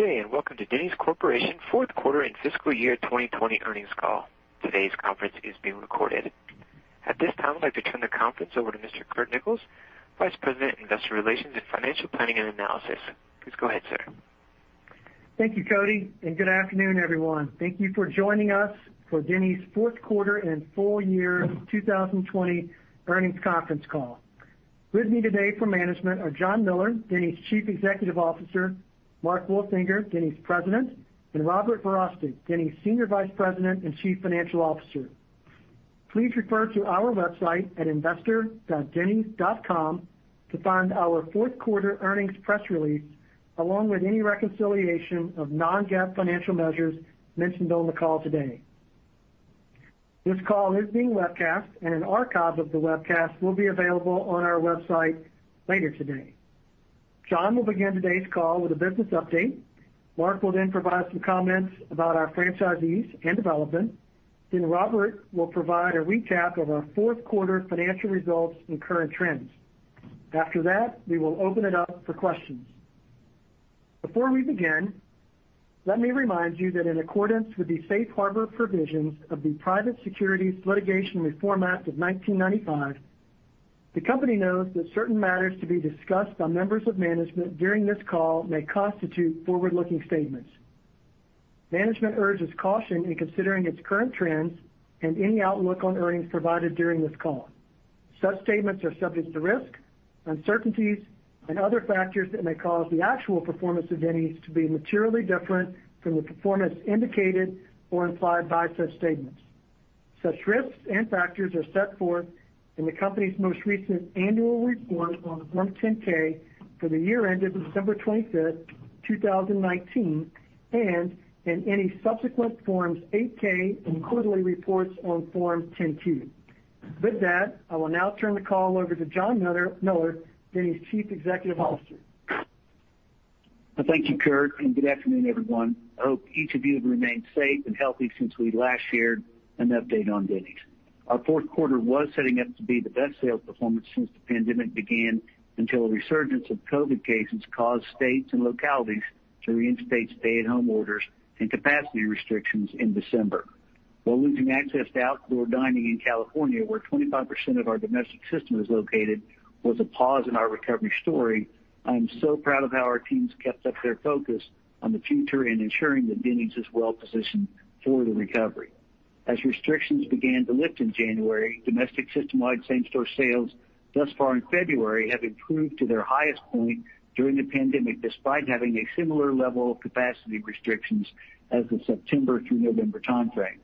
Good day. Welcome to Denny's Corporation fourth quarter and fiscal year 2020 earnings call. Today's conference is being recorded. At this time, I'd like to turn the conference over to Mr. Curt Nichols, Vice President, Investor Relations and Financial Planning and Analysis. Please go ahead, sir. Thank you, Cody, and good afternoon, everyone. Thank you for joining us for Denny's fourth quarter and full year 2020 earnings conference call. With me today from management are John Miller, Denny's Chief Executive Officer, Mark Wolfinger, Denny's President, and Robert Verostek, Denny's Senior Vice President and Chief Financial Officer. Please refer to our website at investor.dennys.com to find our fourth quarter earnings press release, along with any reconciliation of non-GAAP financial measures mentioned on the call today. This call is being webcast, and an archive of the webcast will be available on our website later today. John will begin today's call with a business update. Mark will then provide some comments about our franchisees and development. Robert will then provide a recap of our fourth quarter financial results and current trends. After that, we will open it up for questions. Before we begin, let me remind you that in accordance with the safe harbor provisions of the Private Securities Litigation Reform Act of 1995, the company notes that certain matters to be discussed by members of management during this call may constitute forward-looking statements. Management urges caution in considering its current trends and any outlook on earnings provided during this call. Such statements are subject to risk, uncertainties, and other factors that may cause the actual performance of Denny's to be materially different from the performance indicated or implied by such statements. Such risks and factors are set forth in the company's most recent annual report on Form 10-K for the year ended December 25th, 2019, and in any subsequent Forms 8-K and quarterly reports on Form 10-Q. With that, I will now turn the call over to John Miller, Denny's Chief Executive Officer. Thank you, Curt, and good afternoon, everyone. I hope each of you have remained safe and healthy since we last shared an update on Denny's. Our fourth quarter was setting up to be the best sales performance since the pandemic began until a resurgence of COVID cases caused states and localities to reinstate stay-at-home orders and capacity restrictions in December. While losing access to outdoor dining in California, where 25% of our domestic system is located, was a pause in our recovery story, I am so proud of how our teams kept up their focus on the future and ensuring that Denny's is well positioned for the recovery. As restrictions began to lift in January, domestic system-wide same-store sales thus far in February have improved to their highest point during the pandemic, despite having a similar level of capacity restrictions as the September through November timeframe.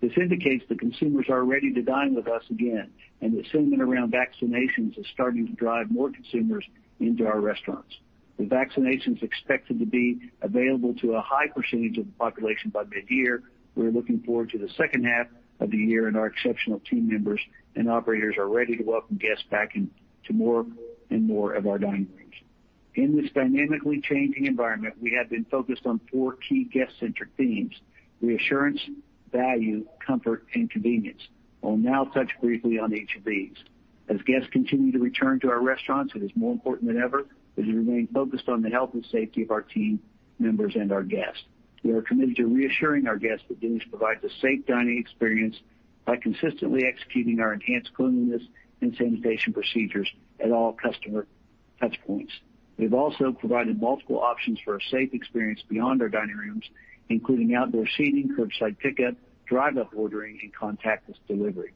This indicates that consumers are ready to dine with us again, and the sentiment around vaccinations is starting to drive more consumers into our restaurants. With vaccinations expected to be available to a high percentage of the population by mid-year, we are looking forward to the second half of the year, and our exceptional team members and operators are ready to welcome guests back into more and more of our dining rooms. In this dynamically changing environment, we have been focused on four key guest-centric themes: reassurance, value, comfort, and convenience. I will now touch briefly on each of these. As guests continue to return to our restaurants, it is more important than ever that we remain focused on the health and safety of our team members and our guests. We are committed to reassuring our guests that Denny's provides a safe dining experience by consistently executing our enhanced cleanliness and sanitation procedures at all customer touchpoints. We've also provided multiple options for a safe experience beyond our dining rooms, including outdoor seating, curbside pickup, drive-up ordering, and contactless delivery.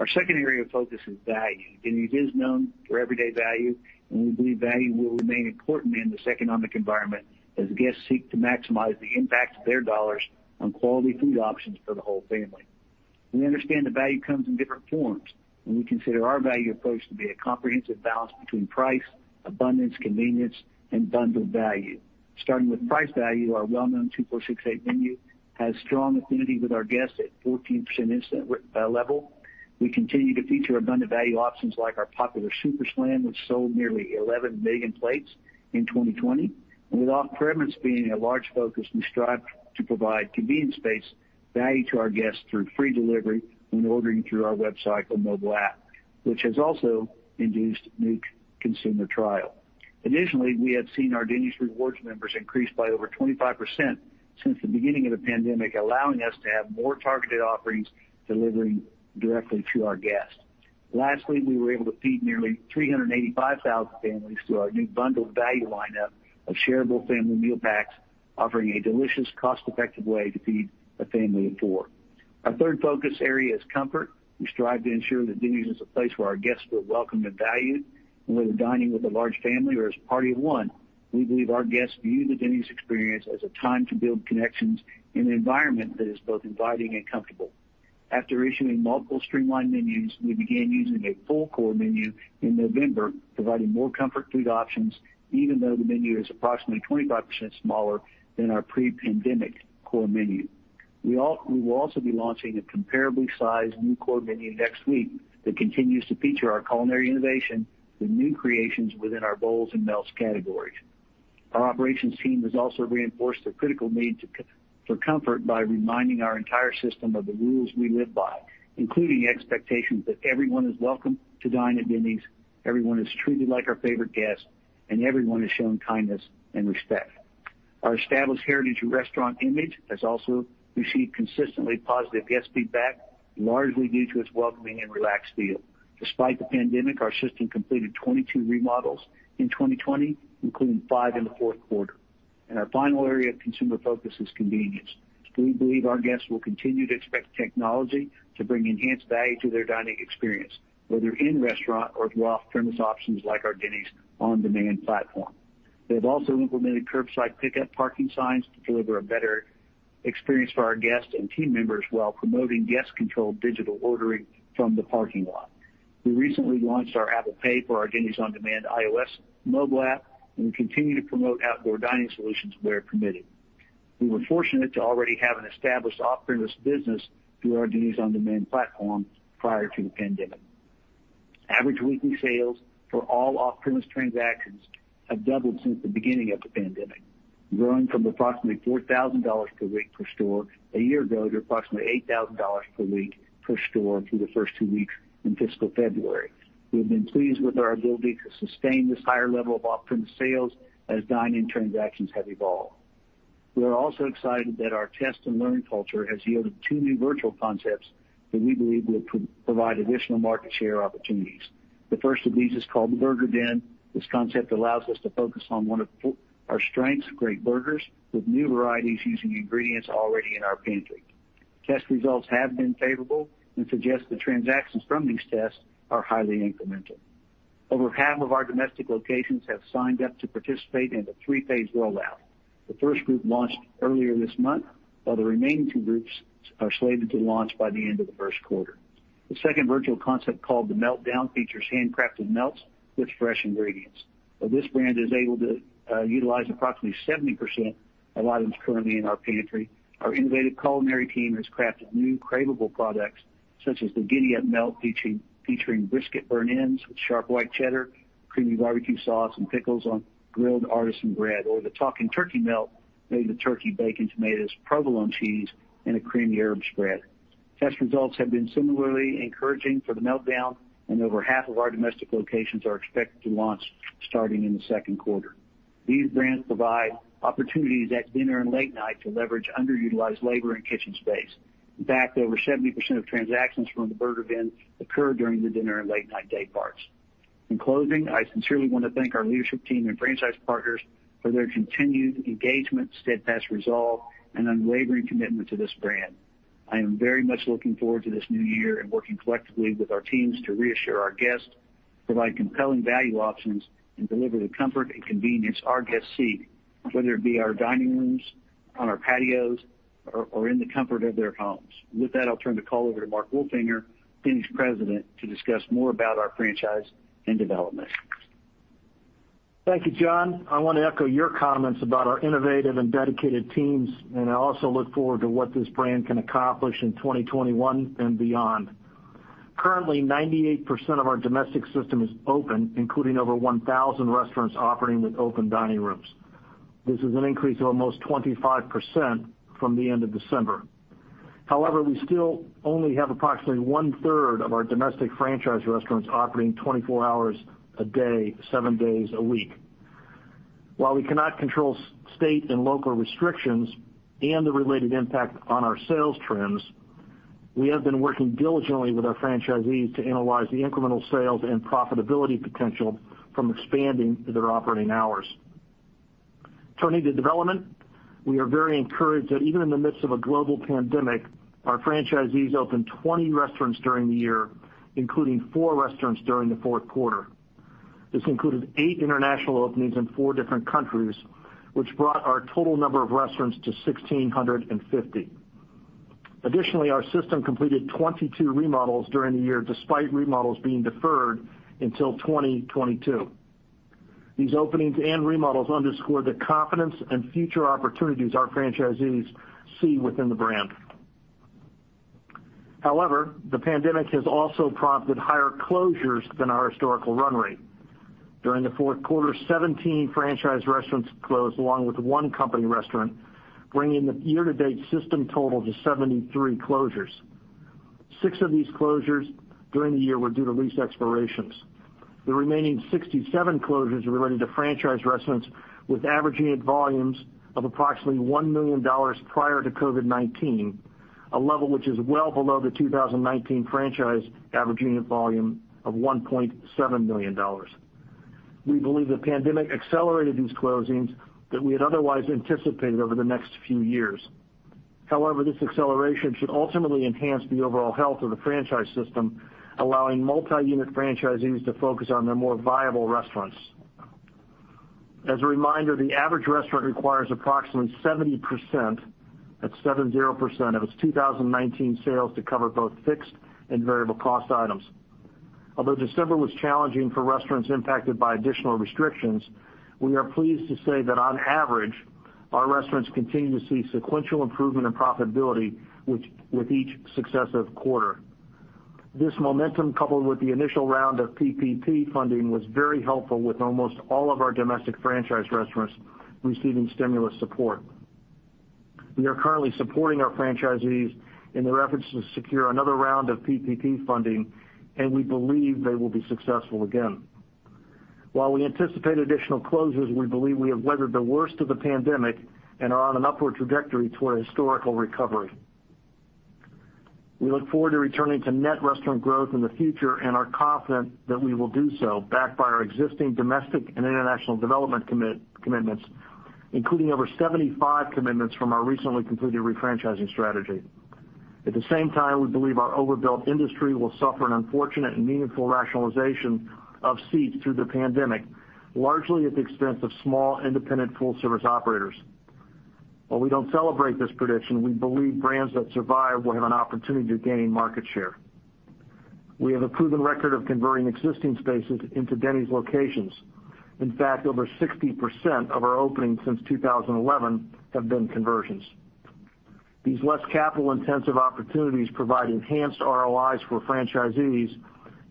Our second area of focus is value. Denny's is known for everyday value, and we believe value will remain important in this economic environment as guests seek to maximize the impact of their dollars on quality food options for the whole family. We understand that value comes in different forms, and we consider our value approach to be a comprehensive balance between price, abundance, convenience, and bundled value. Starting with price value, our well-known two, four, six, eight menu has strong affinity with our guests at 14% incidence level. We continue to feature abundant value options like our popular Super Slam, which sold nearly 11 million plates in 2020. With off-premise being a large focus, we strive to provide convenience-based value to our guests through free delivery when ordering through our website or mobile app, which has also induced new consumer trial. Additionally, we have seen our Denny's Rewards members increase by over 25% since the beginning of the pandemic, allowing us to have more targeted offerings delivering directly to our guests. Lastly, we were able to feed nearly 385,000 families through our new bundled value lineup of shareable family meal packs, offering a delicious, cost-effective way to feed a family of four. Our third focus area is comfort. We strive to ensure that Denny's is a place where our guests feel welcomed and valued, whether dining with a large family or as a party of one. We believe our guests view the Denny's experience as a time to build connections in an environment that is both inviting and comfortable. After issuing multiple streamlined menus, we began using a full core menu in November, providing more comfort food options, even though the menu is approximately 25% smaller than our pre-pandemic core menu. We will also be launching a comparably sized new core menu next week that continues to feature our culinary innovation with new creations within our bowls and melts categories. Our operations team has also reinforced the critical need for comfort by reminding our entire system of the rules we live by, including expectations that everyone is welcome to dine at Denny's, everyone is treated like our favorite guest, and everyone is shown kindness and respect. Our established Heritage restaurant image has also received consistently positive guest feedback, largely due to its welcoming and relaxed feel. Despite the pandemic, our system completed 22 remodels in 2020, including five in the fourth quarter. Our final area of consumer focus is convenience. We believe our guests will continue to expect technology to bring enhanced value to their dining experience, whether in restaurant or through off-premise options like our Denny's on Demand platform. We have also implemented curbside pickup parking signs to deliver a better experience for our guests and team members while promoting guest-controlled digital ordering from the parking lot. We recently launched our Apple Pay for our Denny's on Demand iOS mobile app, and we continue to promote outdoor dining solutions where permitted. We were fortunate to already have an established off-premise business through our Denny's on Demand platform prior to the pandemic. Average weekly sales for all off-premise transactions have doubled since the beginning of the pandemic, growing from approximately $4,000 per week per store a year ago to approximately $8,000 per week per store through the first two weeks in fiscal February. We have been pleased with our ability to sustain this higher level of off-premise sales as dine-in transactions have evolved. We are also excited that our test and learn culture has yielded two new virtual concepts that we believe will provide additional market share opportunities. The first of these is called The Burger Den. This concept allows us to focus on one of our strengths, great burgers, with new varieties using ingredients already in our pantry. Test results have been favorable and suggest the transactions from these tests are highly incremental. Over half of our domestic locations have signed up to participate in the three-phase rollout. The first group launched earlier this month, while the remaining two groups are slated to launch by the end of the first quarter. The second virtual concept, called The Meltdown, features handcrafted melts with fresh ingredients. While this brand is able to utilize approximately 70% of items currently in our pantry, our innovative culinary team has crafted new craveable products, such as the Giddy-Up Melt featuring brisket burnt ends with sharp white cheddar, creamy barbecue sauce, and pickles on grilled artisan bread, or the Talking Turkey Melt made with turkey bacon, tomatoes, provolone cheese, and a creamy herb spread. Test results have been similarly encouraging for The Meltdown, and over half of our domestic locations are expected to launch starting in the second quarter. These brands provide opportunities at dinner and late night to leverage underutilized labor and kitchen space. In fact, over 70% of transactions from the Burger Den occur during the dinner and late-night day parts. In closing, I sincerely want to thank our leadership team and franchise partners for their continued engagement, steadfast resolve, and unwavering commitment to this brand. I am very much looking forward to this new year and working collectively with our teams to reassure our guests, provide compelling value options, and deliver the comfort and convenience our guests seek, whether it be our dining rooms, on our patios, or in the comfort of their homes. With that, I'll turn the call over to Mark Wolfinger, Denny's President, to discuss more about our franchise and development. Thank you, John. I want to echo your comments about our innovative and dedicated teams, and I also look forward to what this brand can accomplish in 2021 and beyond. Currently, 98% of our domestic system is open, including over 1,000 restaurants operating with open dining rooms. This is an increase of almost 25% from the end of December. However, we still only have approximately one-third of our domestic franchise restaurants operating 24 hours a day, seven days a week. While we cannot control state and local restrictions and the related impact on our sales trends, we have been working diligently with our franchisees to analyze the incremental sales and profitability potential from expanding their operating hours. Turning to development, we are very encouraged that even in the midst of a global pandemic, our franchisees opened 20 restaurants during the year, including four restaurants during the fourth quarter. This included eight international openings in four different countries, which brought our total number of restaurants to 1,650. Additionally, our system completed 22 remodels during the year, despite remodels being deferred until 2022. These openings and remodels underscore the confidence and future opportunities our franchisees see within the brand. The pandemic has also prompted higher closures than our historical run rate. During the fourth quarter, 17 franchise restaurants closed, along with one company restaurant, bringing the year-to-date system total to 73 closures. Six of these closures during the year were due to lease expirations. The remaining 67 closures were related to franchise restaurants with average unit volumes of approximately $1 million prior to COVID-19, a level which is well below the 2019 franchise average unit volume of $1.7 million. We believe the pandemic accelerated these closings that we had otherwise anticipated over the next few years. However, this acceleration should ultimately enhance the overall health of the franchise system, allowing multi-unit franchisees to focus on their more viable restaurants. As a reminder, the average restaurant requires approximately 70%, that's 70%, of its 2019 sales to cover both fixed and variable cost items. Although December was challenging for restaurants impacted by additional restrictions, we are pleased to say that on average, our restaurants continue to see sequential improvement in profitability with each successive quarter. This momentum, coupled with the initial round of PPP funding, was very helpful with almost all of our domestic franchise restaurants receiving stimulus support. We are currently supporting our franchisees in their efforts to secure another round of PPP funding, and we believe they will be successful again. While we anticipate additional closures, we believe we have weathered the worst of the pandemic and are on an upward trajectory toward historical recovery. We look forward to returning to net restaurant growth in the future and are confident that we will do so, backed by our existing domestic and international development commitments, including over 75 commitments from our recently completed refranchising strategy. At the same time, we believe our overbuilt industry will suffer an unfortunate and meaningful rationalization of seats through the pandemic, largely at the expense of small, independent full-service operators. While we don't celebrate this prediction, we believe brands that survive will have an opportunity to gain market share. We have a proven record of converting existing spaces into Denny's locations. In fact, over 60% of our openings since 2011 have been conversions. These less capital-intensive opportunities provide enhanced ROIs for franchisees,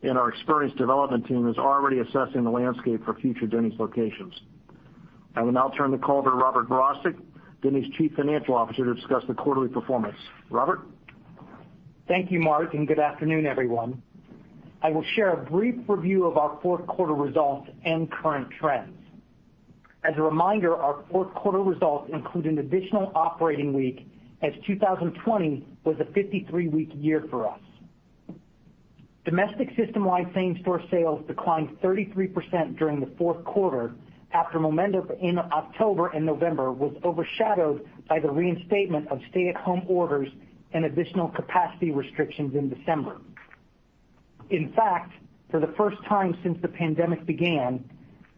and our experienced development team is already assessing the landscape for future Denny's locations. I will now turn the call over to Robert Verostek, Denny's Chief Financial Officer, to discuss the quarterly performance. Robert? Thank you, Mark, and good afternoon, everyone. I will share a brief review of our fourth quarter results and current trends. As a reminder, our fourth quarter results include an additional operating week, as 2020 was a 53-week year for us. Domestic system-wide same-store sales declined 33% during the fourth quarter after momentum in October and November was overshadowed by the reinstatement of stay-at-home orders and additional capacity restrictions in December. In fact, for the first time since the pandemic began,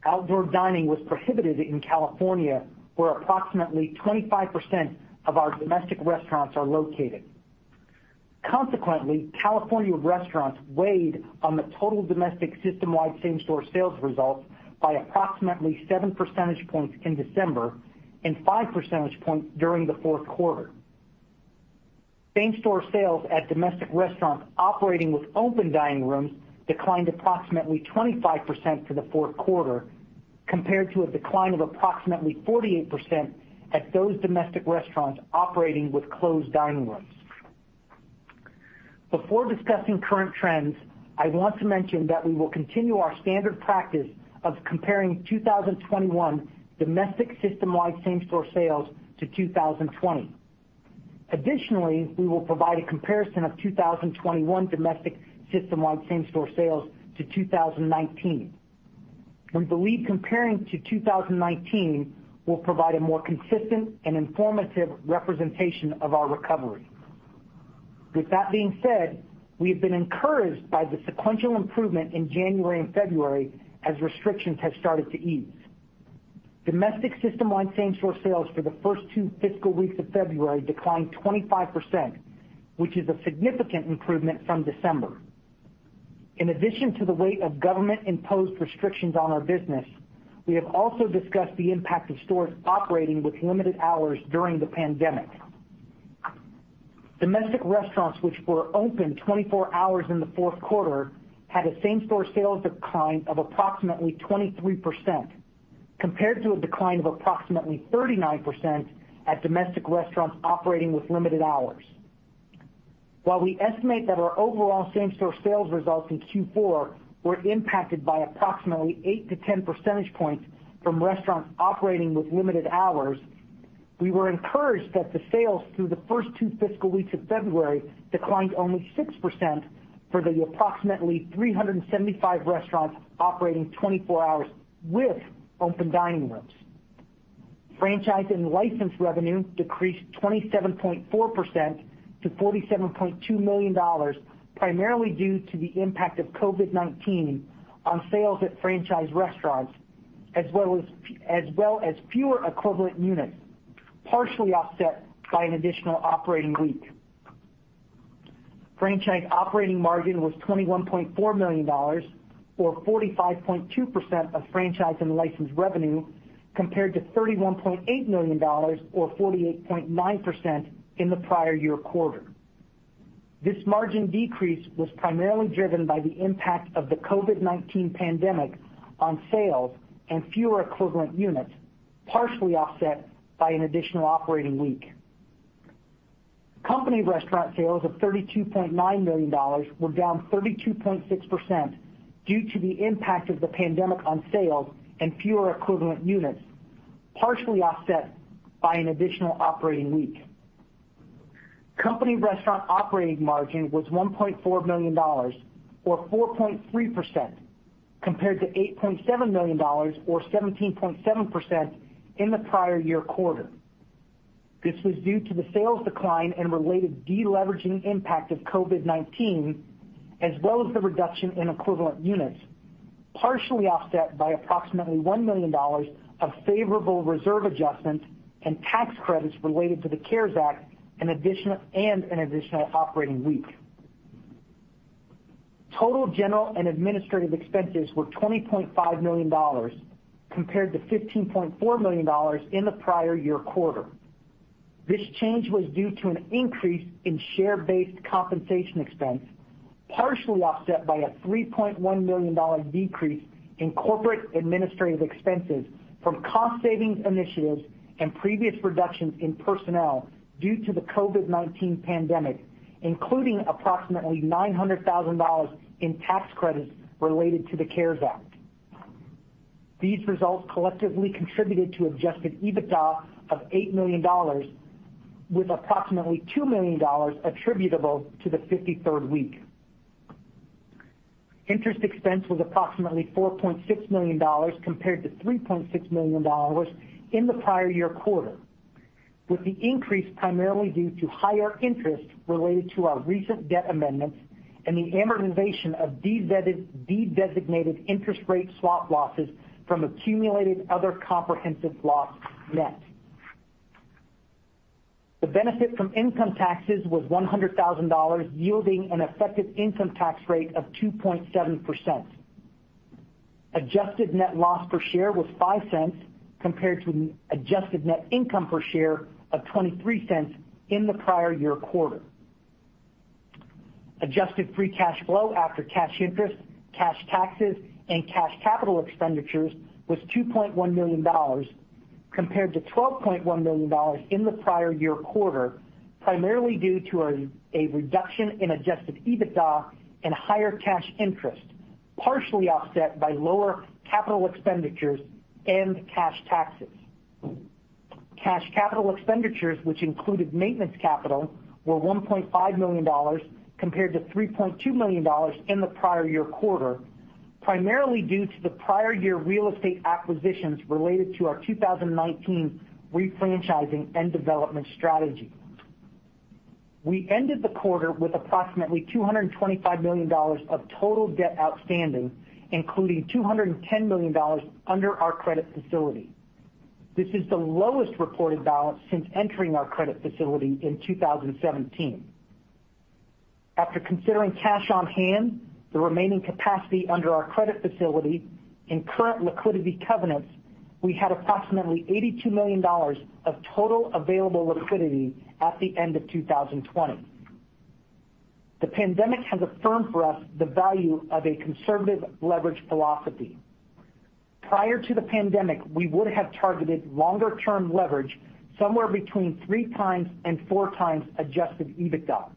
outdoor dining was prohibited in California, where approximately 25% of our domestic restaurants are located. Consequently, California restaurants weighed on the total domestic system-wide same-store sales results by approximately 7% points in December and 5% points during the fourth quarter. Same-store sales at domestic restaurants operating with open dining rooms declined approximately 25% for the fourth quarter compared to a decline of approximately 48% at those domestic restaurants operating with closed dining rooms. Before discussing current trends, I want to mention that we will continue our standard practice of comparing 2021 domestic system-wide same-store sales to 2020. Additionally, we will provide a comparison of 2021 domestic system-wide same-store sales to 2019. We believe comparing to 2019 will provide a more consistent and informative representation of our recovery. With that being said, we have been encouraged by the sequential improvement in January and February as restrictions have started to ease. Domestic system-wide same-store sales for the first two fiscal weeks of February declined 25%, which is a significant improvement from December. In addition to the weight of government-imposed restrictions on our business, we have also discussed the impact of stores operating with limited hours during the pandemic. Domestic restaurants which were open 24 hours in the fourth quarter had a same-store sales decline of approximately 23%, compared to a decline of approximately 39% at domestic restaurants operating with limited hours. While we estimate that our overall same-store sales results in Q4 were impacted by approximately 8 to 10 percentage points from restaurants operating with limited hours, we were encouraged that the sales through the first two fiscal weeks of February declined only 6% for the approximately 375 restaurants operating 24 hours with open dining rooms. Franchise and license revenue decreased 27.4% to $47.2 million, primarily due to the impact of COVID-19 on sales at franchise restaurants, as well as fewer equivalent units, partially offset by an additional operating week. Franchise operating margin was $21.4 million, or 45.2% of franchise and license revenue, compared to $31.8 million, or 48.9%, in the prior year quarter. This margin decrease was primarily driven by the impact of the COVID-19 pandemic on sales and fewer equivalent units, partially offset by an additional operating week. Company restaurant sales of $32.9 million were down 32.6% due to the impact of the pandemic on sales and fewer equivalent units, partially offset by an additional operating week. Company restaurant operating margin was $1.4 million, or 4.3%, compared to $8.7 million, or 17.7%, in the prior year quarter. This was due to the sales decline and related deleveraging impact of COVID-19, as well as the reduction in equivalent units, partially offset by approximately $1 million of favorable reserve adjustments and tax credits related to the CARES Act, and an additional operating week. Total general and administrative expenses were $20.5 million compared to $15.4 million in the prior year quarter. This change was due to an increase in share-based compensation expense, partially offset by a $3.1 million decrease in corporate administrative expenses from cost savings initiatives and previous reductions in personnel due to the COVID-19 pandemic, including approximately $900,000 in tax credits related to the CARES Act. These results collectively contributed to adjusted EBITDA of $8 million, with approximately $2 million attributable to the 53rd week. Interest expense was approximately $4.6 million compared to $3.6 million in the prior year quarter, with the increase primarily due to higher interest related to our recent debt amendments and the amortization of dedesignated interest rate swap losses from accumulated other comprehensive loss net. The benefit from income taxes was $100,000, yielding an effective income tax rate of 2.7%. Adjusted net loss per share was $0.05 compared to an adjusted net income per share of $0.23 in the prior year quarter. Adjusted free cash flow after cash interest, cash taxes, and cash capital expenditures was $2.1 million compared to $12.1 million in the prior year quarter, primarily due to a reduction in adjusted EBITDA and higher cash interest, partially offset by lower capital expenditures and cash taxes. Cash capital expenditures, which included maintenance capital, were $1.5 million compared to $3.2 million in the prior year quarter, primarily due to the prior year real estate acquisitions related to our 2019 refranchising and development strategy. We ended the quarter with approximately $225 million of total debt outstanding, including $210 million under our credit facility. This is the lowest reported balance since entering our credit facility in 2017. After considering cash on hand, the remaining capacity under our credit facility, and current liquidity covenants, we had approximately $82 million of total available liquidity at the end of 2020. The pandemic has affirmed for us the value of a conservative leverage philosophy. Prior to the pandemic, we would have targeted longer term leverage somewhere between 3x and 4x adjusted EBITDA.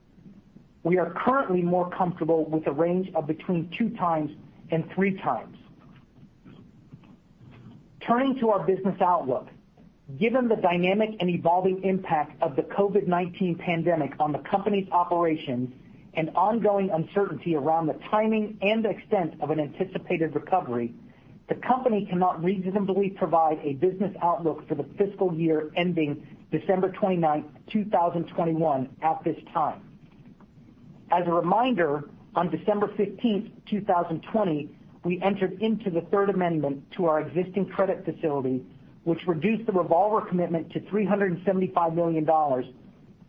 We are currently more comfortable with a range of between 2x and 3x. Turning to our business outlook, given the dynamic and evolving impact of the COVID-19 pandemic on the company's operations and ongoing uncertainty around the timing and extent of an anticipated recovery, the company cannot reasonably provide a business outlook for the fiscal year ending December 29th, 2021, at this time. As a reminder, on December 15th, 2020, we entered into the 3rd amendment to our existing credit facility, which reduced the revolver commitment to $375 million,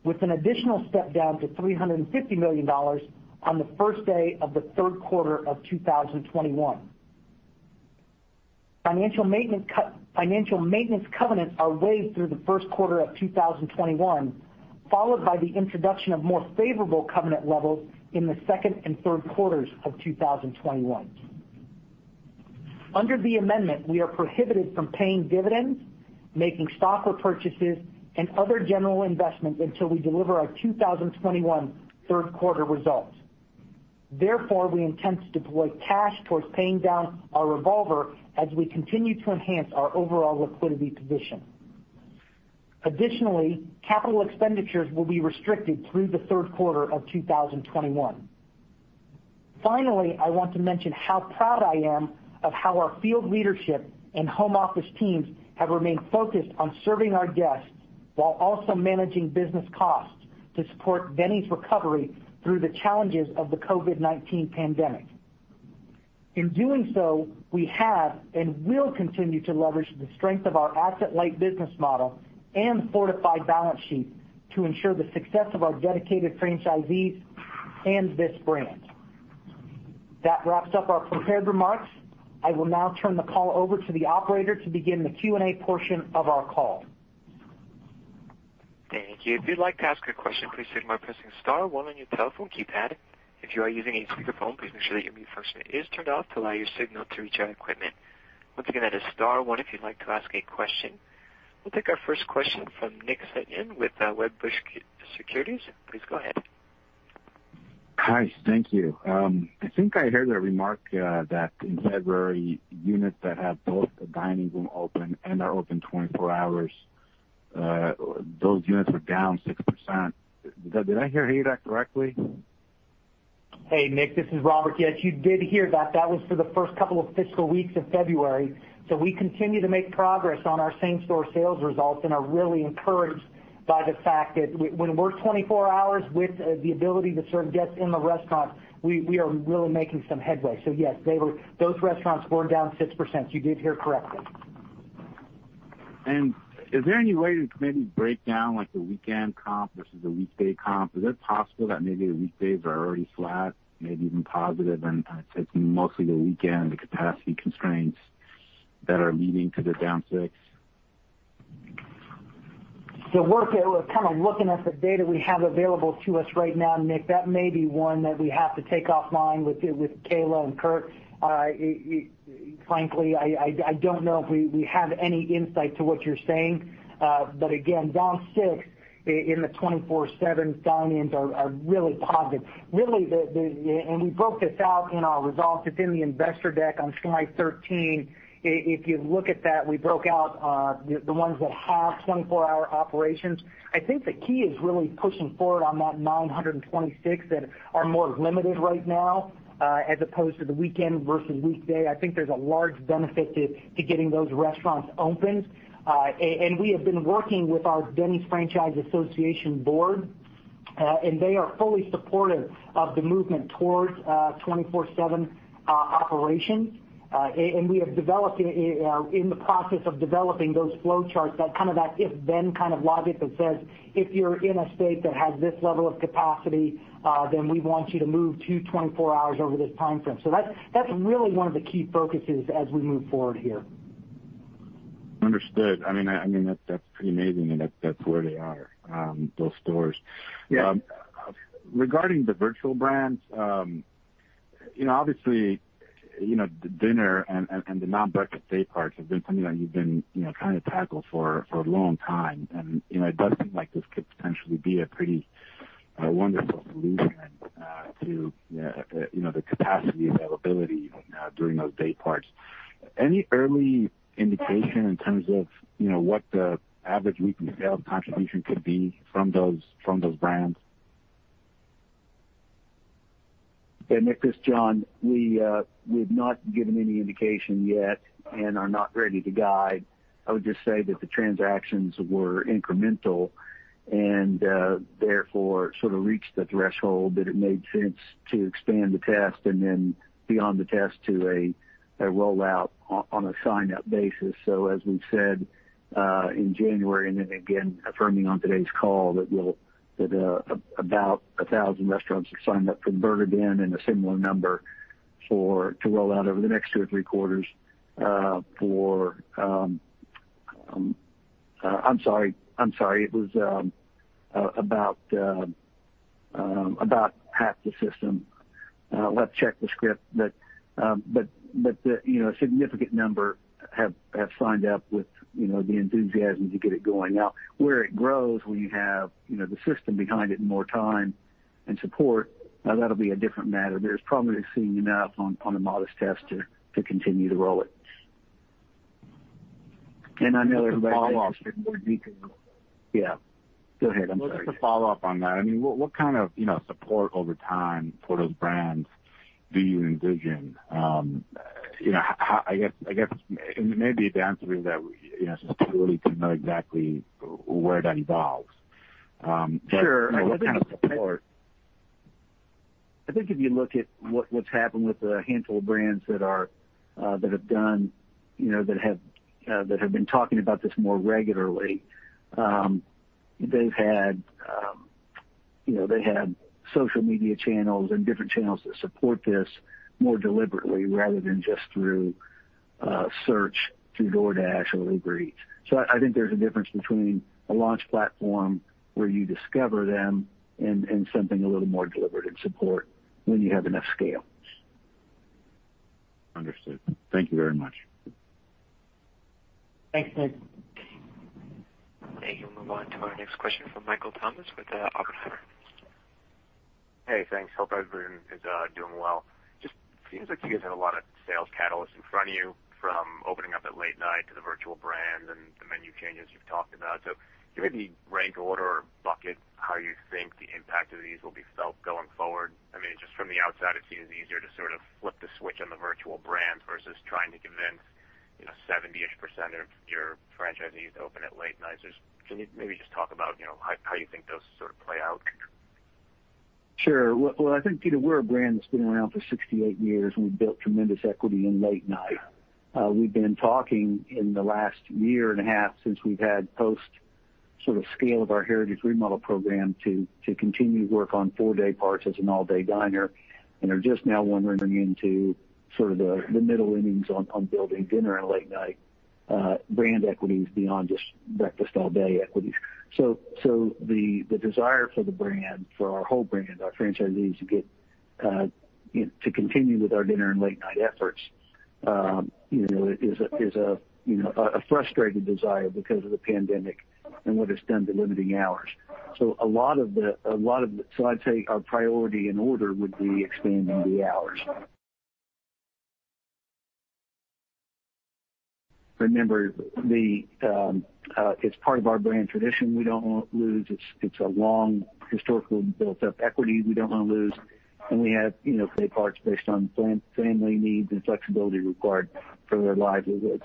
with an additional step down to $350 million on the 1st day of the 3rd quarter of 2021. Financial maintenance covenants are waived through the 1st quarter of 2021, followed by the introduction of more favorable covenant levels in the 2nd and 3rd quarters of 2021. Under the amendment, we are prohibited from paying dividends, making stock repurchases, and other general investments until we deliver our 2021 3rd quarter results. Therefore, we intend to deploy cash towards paying down our revolver as we continue to enhance our overall liquidity position. Additionally, capital expenditures will be restricted through the 3rd quarter of 2021. Finally, I want to mention how proud I am of how our field leadership and home office teams have remained focused on serving our guests while also managing business costs to support Denny's recovery through the challenges of the COVID-19 pandemic. In doing so, we have and will continue to leverage the strength of our asset-light business model and fortified balance sheet to ensure the success of our dedicated franchisees and this brand. That wraps up our prepared remarks. I will now turn the call over to the operator to begin the Q&A portion of our call. Thank you. If you'd like to ask a question, please signal by pressing star one on your telephone keypad. If you are using a speakerphone, please make sure that your mute function is turned off to allow your signal to reach our equipment. Once again, that is star one if you'd like to ask a question. We'll take our first question from Nick Setyan with Wedbush Securities. Please go ahead. Hi. Thank you. I think I heard a remark that in February, units that have both the dining room open and are open 24 hours, those units were down 6%. Did I hear you that correctly? Hey, Nick. This is Robert. Yes, you did hear that. That was for the first couple of fiscal weeks of February. We continue to make progress on our same-store sales results and are really encouraged by the fact that when we're 24 hours with the ability to serve guests in the restaurant, we are really making some headway. Yes, they were. Those restaurants were down 6%. You did hear correctly. Is there any way to maybe break down like the weekend comp versus the weekday comp? Is it possible that maybe the weekdays are already flat, maybe even positive, and it's mostly the weekend, the capacity constraints that are leading to the down 6%? The work that we're looking at, the data we have available to us right now, Nick, that may be one that we have to take offline with Kayla and Curt. Again, down six in the 24/7 diners are really positive. Really, we broke this out in our results. It's in the investor deck on slide 13. If you look at that, we broke out the ones that have 24-hour operations. I think the key is really pushing forward on that 926 that are more limited right now, as opposed to the weekend versus weekday. I think there's a large benefit to getting those restaurants open. We have been working with our Denny's Franchisee Association Board, and they are fully supportive of the movement towards 24/7 operations. We have developed, in the process of developing those flow charts, that if/then kind of logic that says, "If you're in a state that has this level of capacity, then we want you to move to 24 hours over this timeframe." That's really one of the key focuses as we move forward here. Understood. That's pretty amazing that that's where they are, those stores. Yeah. Regarding the virtual brands, obviously, dinner and the non-breakfast day parts have been something that you've been trying to tackle for a long time, and it does seem like this could potentially be a pretty wonderful solution to the capacity availability during those day parts. Any early indication in terms of what the average weekly sales contribution could be from those brands? Yeah, Nick, this is John. We have not given any indication yet and are not ready to guide. I would just say that the transactions were incremental and therefore reached the threshold that it made sense to expand the test and then beyond the test to a rollout on a sign-up basis. As we said in January and then again affirming on today's call, that about 1,000 restaurants have signed up for The Burger Den and a similar number to roll out over the next two or three quarters for I'm sorry. It was about half the system. Let's check the script. A significant number have signed up with the enthusiasm to get it going. Where it grows, when you have the system behind it and more time and support, now that'll be a different matter. There's probably seen enough on the modest test to continue to roll it. Just a follow-up. More detail. Yeah, go ahead. I'm sorry. Just a follow-up on that. What kind of support over time for those brands do you envision? I guess maybe the answer is that specifically to know exactly where that evolves. Sure. What kind of support? I think if you look at what's happened with the handful of brands that have been talking about this more regularly, they've had social media channels and different channels that support this more deliberately rather than just through search through DoorDash or Uber Eats. I think there's a difference between a launch platform where you discover them and something a little more deliberate in support when you have enough scale. Understood. Thank you very much. Thanks, Nick. Thank you. We'll move on to our next question from Michael Tamas with Oppenheimer. Hey, thanks. Hope everyone is doing well. Just seems like you guys have a lot of sales catalysts in front of you from opening up at late night to the virtual brands and the menu changes you've talked about. Do you have any rank order or bucket how you think the impact of these will be felt going forward? Just from the outside, it seems easier to sort of flip the switch on the virtual brands versus trying to convince 70% of your franchisees to open at late nights. Can you maybe just talk about how you think those sort of play out? Sure. Well, I think, Peter, we're a brand that's been around for 68 years, and we've built tremendous equity in late night. We've been talking in the last one and a half years since we've had post scale of our Heritage remodel program to continue to work on full day parts as an all-day diner, and are just now wandering into sort of the middle innings on building dinner and late night brand equities beyond just breakfast all day equities. The desire for the brand, for our whole brand, our franchisees to continue with our dinner and late night efforts is a frustrated desire because of the pandemic and what it's done to limiting hours. I'd say our priority and order would be expanding the hours. Remember, it's part of our brand tradition we don't want to lose. It's a long, historically built-up equity we don't want to lose, and we have day parts based on family needs and flexibility required for their livelihoods.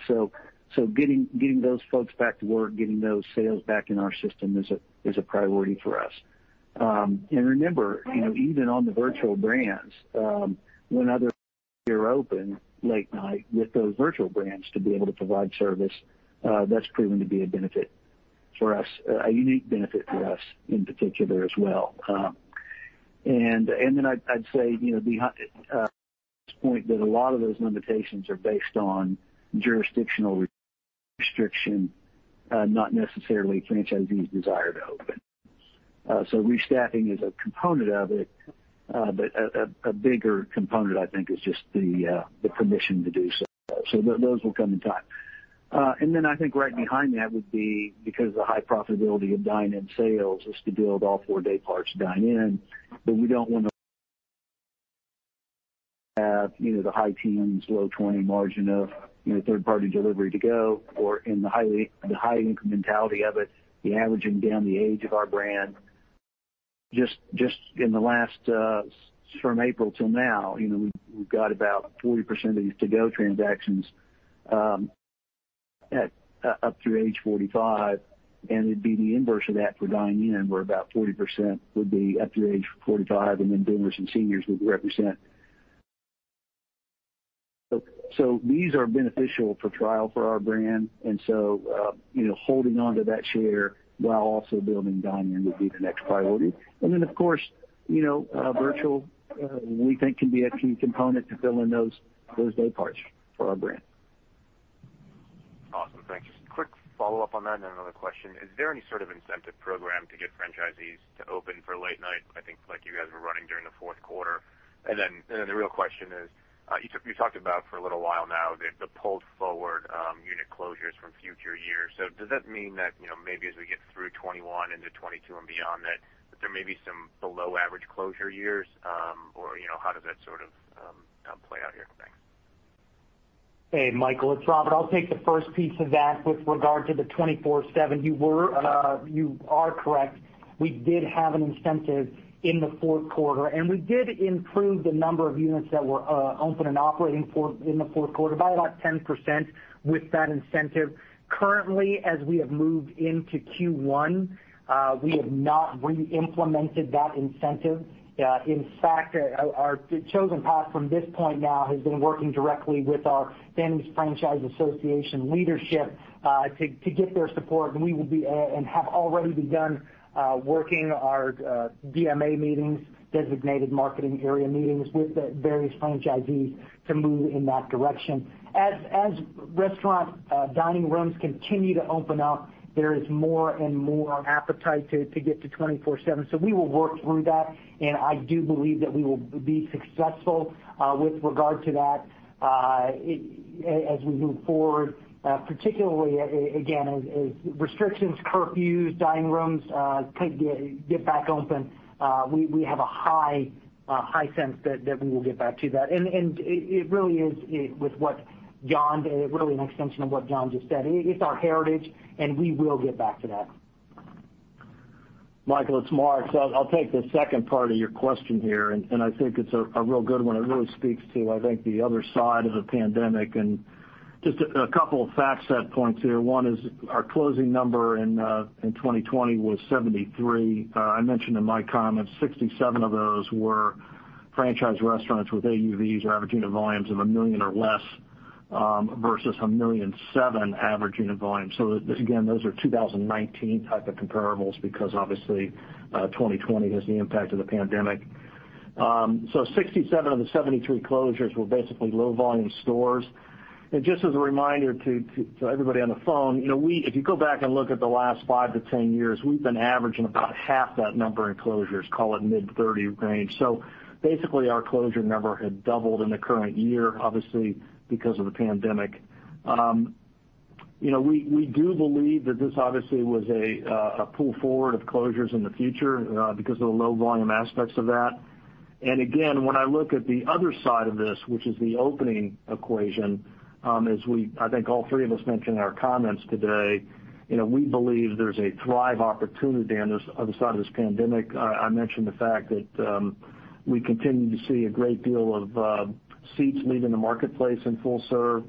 Getting those folks back to work, getting those sales back in our system is a priority for us. Remember, even on the virtual brands, when others are open late night with those virtual brands to be able to provide service, that's proven to be a benefit for us, a unique benefit for us in particular as well. I'd say, behind this point that a lot of those limitations are based on jurisdictional restriction, not necessarily franchisees' desire to open. Restaffing is a component of it, but a bigger component, I think, is just the permission to do so. Those will come in time. I think right behind that would be, because of the high profitability of dine-in sales, is to build all four day parts dine-in, but we don't want to have the high teens, low 20% margin of third-party delivery to go or in the high incrementality of it, the averaging down the age of our brand. Just in the last, from April till now, we've got about 40% of these to-go transactions up through age 45, and it'd be the inverse of that for dine-in, where about 40% would be up through age 45, and then boomers and seniors would represent. These are beneficial for trial for our brand, and so holding onto that share while also building dine-in would be the next priority. Of course, virtual, we think can be a key component to fill in those day parts for our brand. Awesome. Thanks. Just a quick follow-up on that and then another question. Is there any sort of incentive program to get franchisees to open for late night? I think like you guys were running during the fourth quarter. The real question is, you talked about for a little while now, the pulled forward unit closures from future years. Does that mean that, maybe as we get through 2021 into 2022 and beyond, that there may be some below average closure years, or how does that sort of play out here? Thanks. Hey, Michael, it's Robert. I'll take the first piece of that with regard to the 24/7. You are correct. We did have an incentive in the fourth quarter, and we did improve the number of units that were open and operating in the fourth quarter by about 10% with that incentive. Currently, as we have moved into Q1, we have not re-implemented that incentive. In fact, our chosen path from this point now has been working directly with our Denny's Franchisee Association leadership, to get their support, and we will be, and have already begun, working our DMA meetings, designated marketing area meetings, with the various franchisees to move in that direction. As restaurant dining rooms continue to open up, there is more and more appetite to get to 24/7. We will work through that, and I do believe that we will be successful with regard to that as we move forward, particularly, again, as restrictions, curfews, dining rooms get back open. We have a high sense that we will get back to that. It really is with what John did, really an extension of what John just said. It's our Heritage, and we will get back to that. Michael, it's Mark. I'll take the second part of your question here, and I think it's a real good one. It really speaks to, I think, the other side of the pandemic. Just a couple of fact set points here. One is our closing number in 2020 was 73. I mentioned in my comments, 67 of those were franchise restaurants with AUVs or average unit volumes of $1 million or less, versus $1.7 million average unit volume. Again, those are 2019 type of comparables because obviously 2020 has the impact of the pandemic. 67 of the 73 closures were basically low volume stores. Just as a reminder to everybody on the phone, if you go back and look at the last 5-10 years, we've been averaging about half that number in closures, call it mid-30 range. Basically, our closure number had doubled in the current year, obviously because of the pandemic. We do believe that this obviously was a pull forward of closures in the future because of the low volume aspects of that. Again, when I look at the other side of this, which is the opening equation, as we, I think all three of us mentioned in our comments today, we believe there's a thrive opportunity on this other side of this pandemic. I mentioned the fact that we continue to see a great deal of seats leaving the marketplace in full-serve.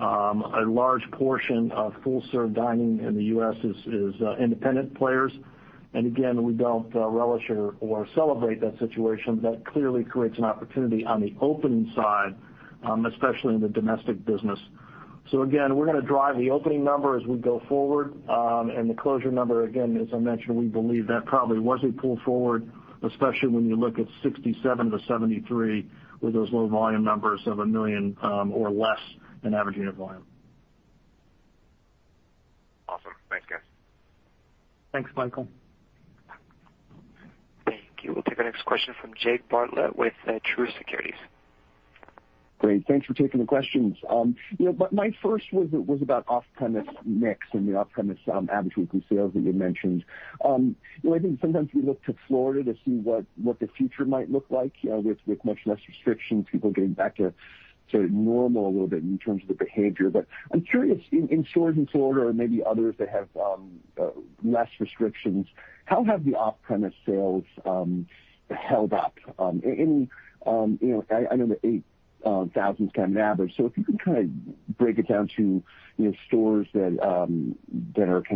A large portion of full-serve dining in the U.S. is independent players. Again, we don't relish or celebrate that situation. That clearly creates an opportunity on the opening side, especially in the domestic business. Again, we're going to drive the opening number as we go forward. The closure number, again, as I mentioned, we believe that probably was a pull forward, especially when you look at 67-73 with those low volume numbers of a million or less in average unit volume. Awesome. Thanks, guys. Thanks, Michael. Thank you. We'll take our next question from Jake Bartlett with Truist Securities. Great. Thanks for taking the questions. My first was about off-premise mix and the off-premise average weekly sales that you mentioned. I think sometimes we look to Florida to see what the future might look like with much less restrictions, people getting back to normal a little bit in terms of the behavior. I'm curious, in stores in Florida or maybe others that have less restrictions, how have the off-premise sales held up? I know the $8,000 kind of average, so if you can kind of break it down to stores that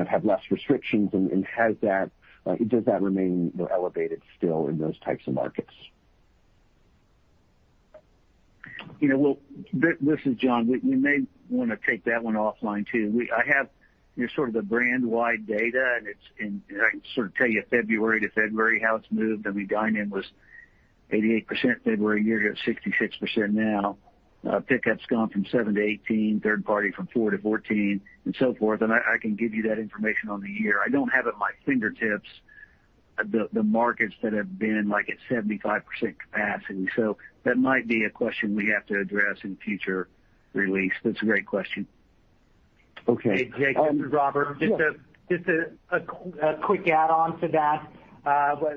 have less restrictions, and does that remain elevated still in those types of markets? This is John. You may want to take that one offline too. I have the brand-wide data, and I can tell you February to February how it's moved. I mean, dine-in was 88% February a year to 66% now. Pickups gone from 7% to 18%, third party from 4% to 14%, and so forth. And I can give you that information on the year. I don't have at my fingertips the markets that have been at 75% capacity. That might be a question we have to address in future release. That's a great question. Okay. Hey, Jake. This is Robert. Just a quick add-on to that.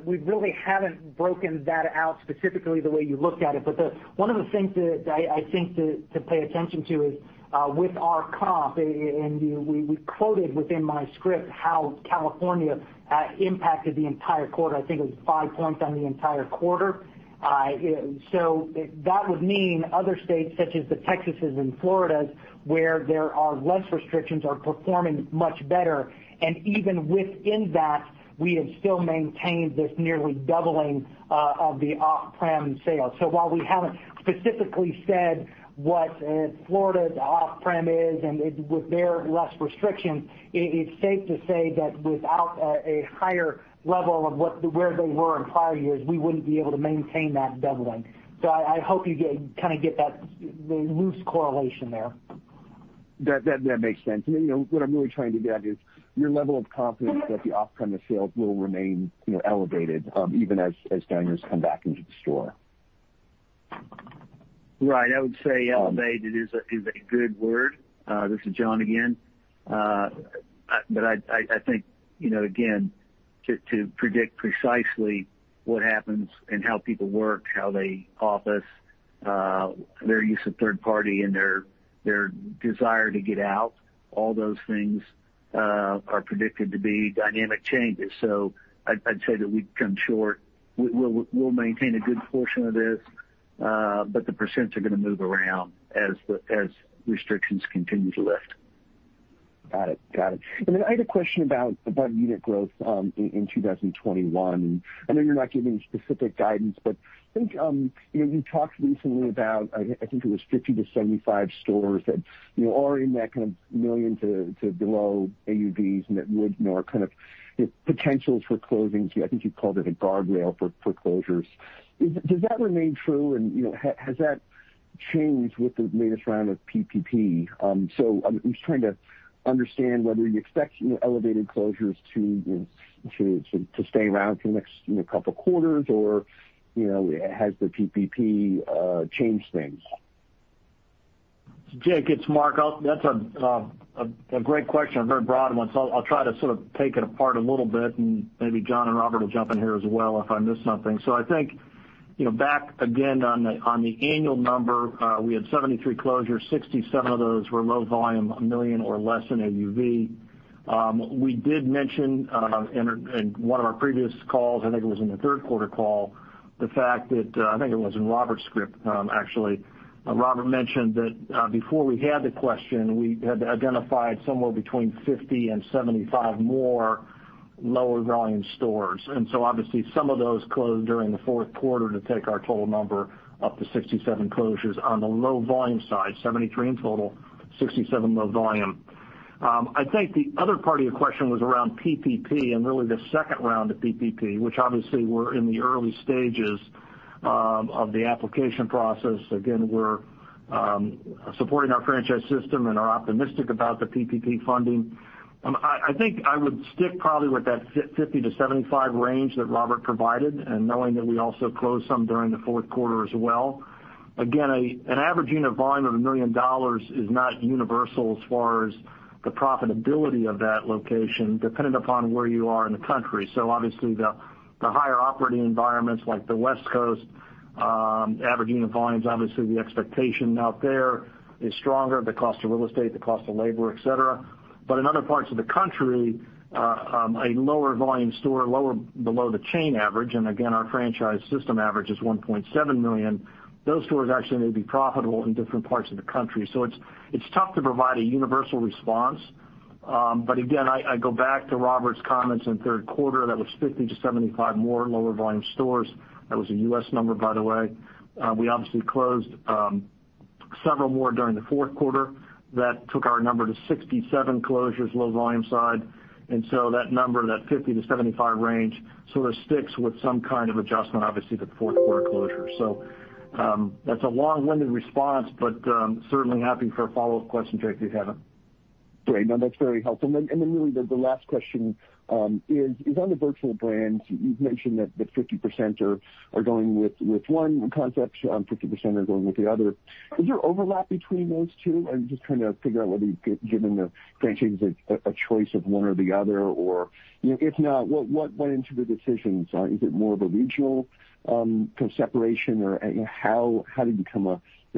We really haven't broken that out specifically the way you looked at it. One of the things that I think to pay attention to is, with our comp, and we quoted within my script how California impacted the entire quarter. I think it was five points on the entire quarter. That would mean other states such as the Texas' and Floridas where there are less restrictions, are performing much better. Even within that, we have still maintained this nearly doubling of the off-prem sales. While we haven't specifically said what Florida's off-prem is, and with their less restrictions, it's safe to say that without a higher level of where they were in prior years, we wouldn't be able to maintain that doubling. I hope you get the loose correlation there. That makes sense. What I'm really trying to get at is your level of confidence that the off-premise sales will remain elevated, even as diners come back into the store. Right. I would say elevated is a good word. This is John again. I think, again, to predict precisely what happens and how people work, how they office, their use of third party and their desire to get out, all those things are predicted to be dynamic changes. I'd say that we'd come short. We'll maintain a good portion of this, but the percents are going to move around as restrictions continue to lift. Got it. I had a question about unit growth in 2021. I know you're not giving specific guidance, but I think you talked recently about, I think it was 50 to 75 stores that are in that kind of million to below AUVs and that would know our potential for closings. I think you called it a guardrail for closures. Does that remain true, and has that changed with the latest round of PPP? I'm just trying to understand whether you expect elevated closures to stay around for the next couple quarters or has the PPP changed things? Jake, it's Mark. That's a great question, a very broad one, so I'll try to sort of take it apart a little bit, and maybe John and Robert will jump in here as well if I miss something. I think back again on the annual number, we had 73 closures, 67 of those were low volume, $1 million or less in AUV. We did mention in one of our previous calls, I think it was in the third quarter call, the fact that, I think it was in Robert's script actually. Robert mentioned that before we had the question, we had identified somewhere between 50 and 75 more lower volume stores. Obviously some of those closed during the fourth quarter to take our total number up to 67 closures on the low volume side, 73 in total, 67 low volume. I think the other part of your question was around PPP and really the second round of PPP, which obviously we're in the early stages of the application process. Again, we're supporting our franchise system and are optimistic about the PPP funding. I think I would stick probably with that 50-75 range that Robert provided, and knowing that we also closed some during the fourth quarter as well. Again, an average unit volume of $1 million is not universal as far as the profitability of that location, dependent upon where you are in the country. Obviously the higher operating environments like the West Coast, average unit volumes, obviously the expectation out there is stronger, the cost of real estate, the cost of labor, et cetera. In other parts of the country, a lower volume store below the chain average, and again, our franchise system average is $1.7 million. Those stores actually may be profitable in different parts of the country. It's tough to provide a universal response. Again, I go back to Robert's comments in third quarter, that was 50-75 more lower volume stores. That was a U.S. number, by the way. We obviously closed several more during the fourth quarter. That took our number to 67 closures, low volume side. That number, that 50-75 range, sort of sticks with some kind of adjustment, obviously, the fourth quarter closure. That's a long-winded response, but certainly happy for a follow-up question, Jake, if you have it. Great. No, that's very helpful. Really the last question is on the virtual brands. You've mentioned that 50% are going with one concept, 50% are going with the other. Is there overlap between those two? I'm just trying to figure out whether you've given the franchisees a choice of one or the other, or if not, what went into the decisions? Is it more of a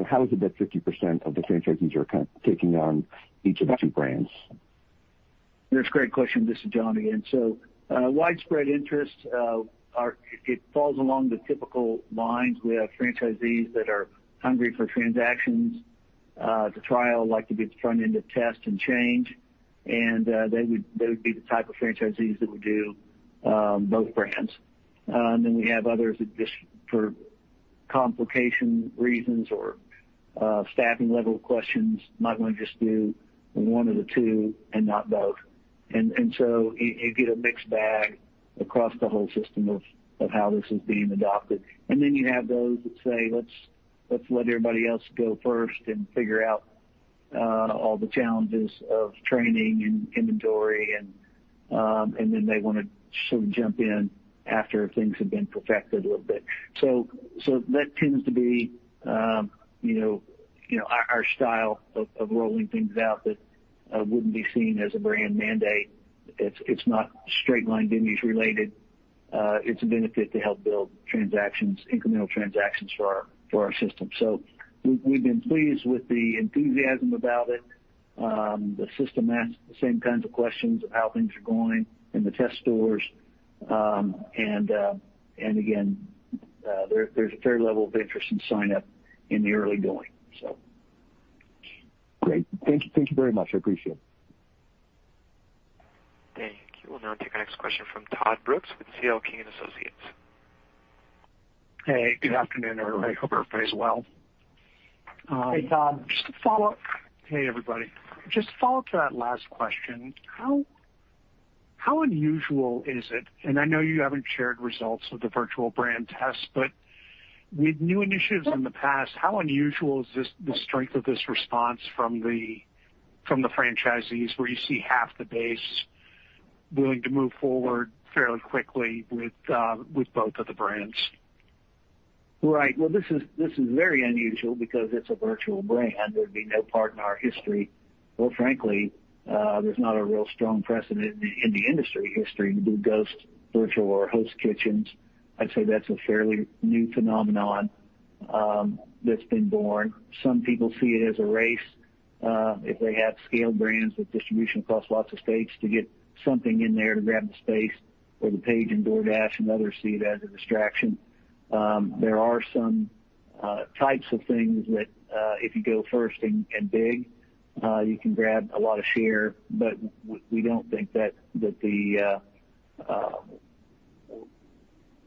regional separation or how is it that 50% of the franchisees are kind of taking on each of the two brands? That's a great question. This is John again. Widespread interest, it falls along the typical lines. We have franchisees that are hungry for transactions that like to be at the front end of test and change, and they would be the type of franchisees that would do both brands. We have others that just for complication reasons or staffing level questions, might want to just do one of the two and not both. You get a mixed bag across the whole system of how this is being adopted. You have those that say, "Let's let everybody else go first and figure out all the challenges of training and inventory," and then they want to sort of jump in after things have been perfected a little bit. That tends to be our style of rolling things out that wouldn't be seen as a brand mandate. It's not straight line Denny's related. It's a benefit to help build incremental transactions for our system. We've been pleased with the enthusiasm about it. The system asks the same kinds of questions of how things are going in the test stores. Again, there's a fair level of interest in sign up in the early going. Great. Thank you very much. I appreciate it. Thank you. We'll now take our next question from Todd Brooks with C.L. King & Associates. Hey, good afternoon, everybody. Hope everybody is well. Hey, Todd. Hey, everybody. Just to follow up to that last question, how unusual is it, and I know you haven't shared results of the virtual brand test, but with new initiatives in the past, how unusual is the strength of this response from the franchisees where you see half the base willing to move forward fairly quickly with both of the brands? Right. Well, this is very unusual because it's a virtual brand. There'd be no part in our history. Well, frankly, there's not a real strong precedent in the industry history to do ghost virtual or host kitchens. I'd say that's a fairly new phenomenon that's been born. Some people see it as a race, if they have scale brands with distribution across lots of states to get something in there to grab the space or the page, and DoorDash and others see it as a distraction. There are some types of things that, if you go first and big, you can grab a lot of share.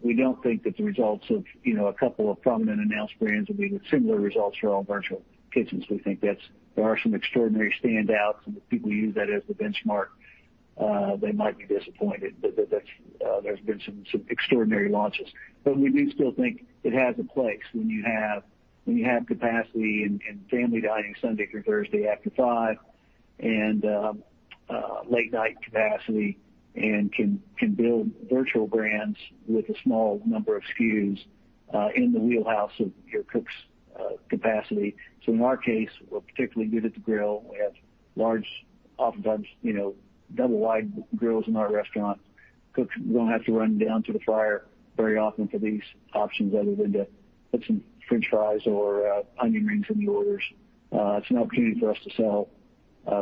We don't think that the results of a couple of prominent announced brands will be with similar results for all virtual kitchens. We think there are some extraordinary standouts, and if people use that as the benchmark, they might be disappointed. There's been some extraordinary launches. We do still think it has a place when you have capacity and family dining Sunday through Thursday after 5:00PM, and late night capacity, and can build virtual brands with a small number of SKUs in the wheelhouse of your cook's capacity. In our case, we're particularly good at the grill. We have large, oftentimes, double wide grills in our restaurant. Cooks don't have to run down to the fryer very often for these options other than to put some french fries or onion rings in the orders. It's an opportunity for us to sell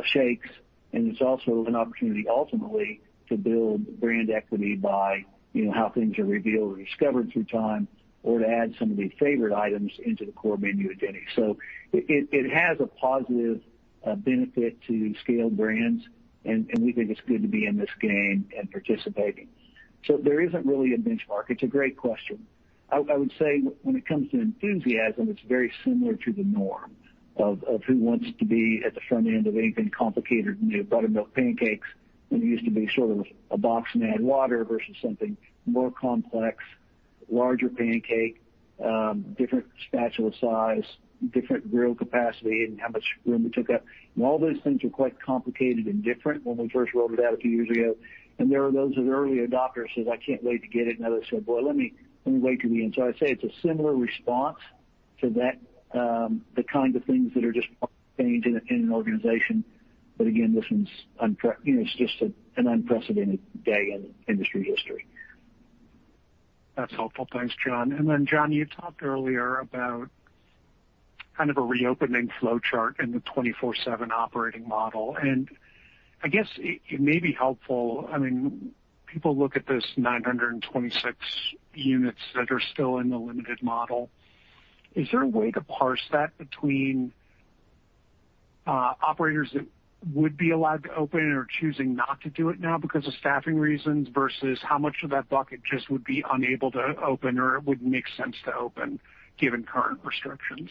shakes, and it's also an opportunity, ultimately, to build brand equity by how things are revealed or discovered through time or to add some of the favorite items into the core menu at Denny's. It has a positive benefit to scale brands, and we think it's good to be in this game and participating. There isn't really a benchmark. It's a great question. I would say when it comes to enthusiasm, it's very similar to the norm of who wants to be at the front end of anything complicated, new buttermilk pancakes. It used to be sort of a box of add water versus something more complex, larger pancake, different spatula size, different grill capacity, and how much room it took up. All those things were quite complicated and different when we first rolled it out a few years ago. There were those early adopters who said, "I can't wait to get it," and others said, "Boy, let me wait till the end." I'd say it's a similar response to the kind of things that are just changing in an organization. Again, it's just an unprecedented day in industry history. That's helpful. Thanks, John. John, you talked earlier about kind of a reopening flowchart in the 24/7 operating model. I guess it may be helpful. People look at this 926 units that are still in the limited model. Is there a way to parse that between operators that would be allowed to open or choosing not to do it now because of staffing reasons, versus how much of that bucket just would be unable to open or it wouldn't make sense to open given current restrictions?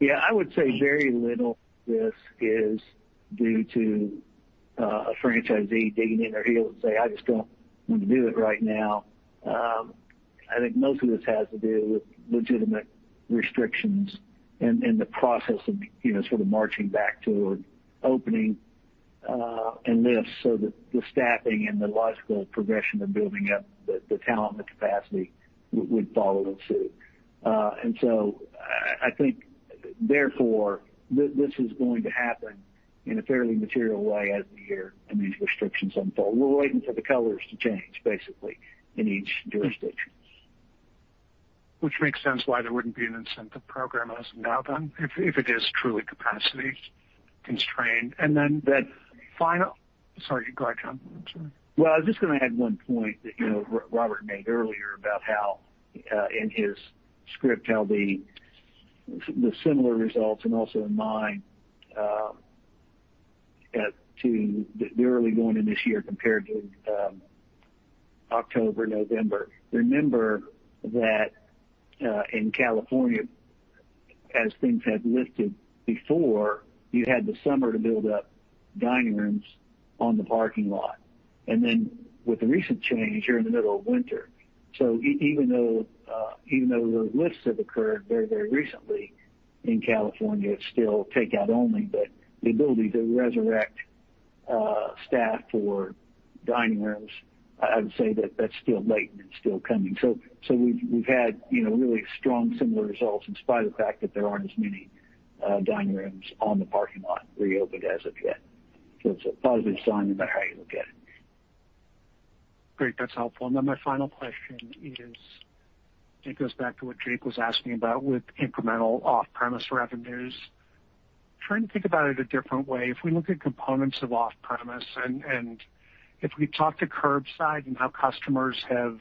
Yeah, I would say very little of this is due to a franchisee digging in their heels and say, "I just don't want to do it right now." I think most of this has to do with legitimate restrictions and the process of sort of marching back toward opening and lifts so that the staffing and the logical progression of building up the talent and the capacity would follow in suit. I think therefore, this is going to happen in a fairly material way as the year and these restrictions unfold. We're waiting for the colors to change, basically, in each jurisdiction. It makes sense why there wouldn't be an incentive program as of now then, if it is truly capacity-constrained. Sorry, go ahead, John. Well, I was just going to add one point that Robert made earlier about how, in his script, how the similar results and also in mine, the early going in this year compared to October, November. Remember that in California, as things had lifted before, you had the summer to build up dining rooms on the parking lot. With the recent change, you're in the middle of winter. Even though those lifts have occurred very recently in California, it's still takeout only, but the ability to resurrect staff for dining rooms, I would say that that's still latent and still coming. We've had really strong similar results in spite of the fact that there aren't as many dining rooms on the parking lot reopened as of yet. It's a positive sign, no matter how you look at it. Great. That's helpful. My final question is, it goes back to what Jake was asking about with incremental off-premise revenues. Trying to think about it a different way, if we look at components of off-premise and if we talk to curbside and how customers have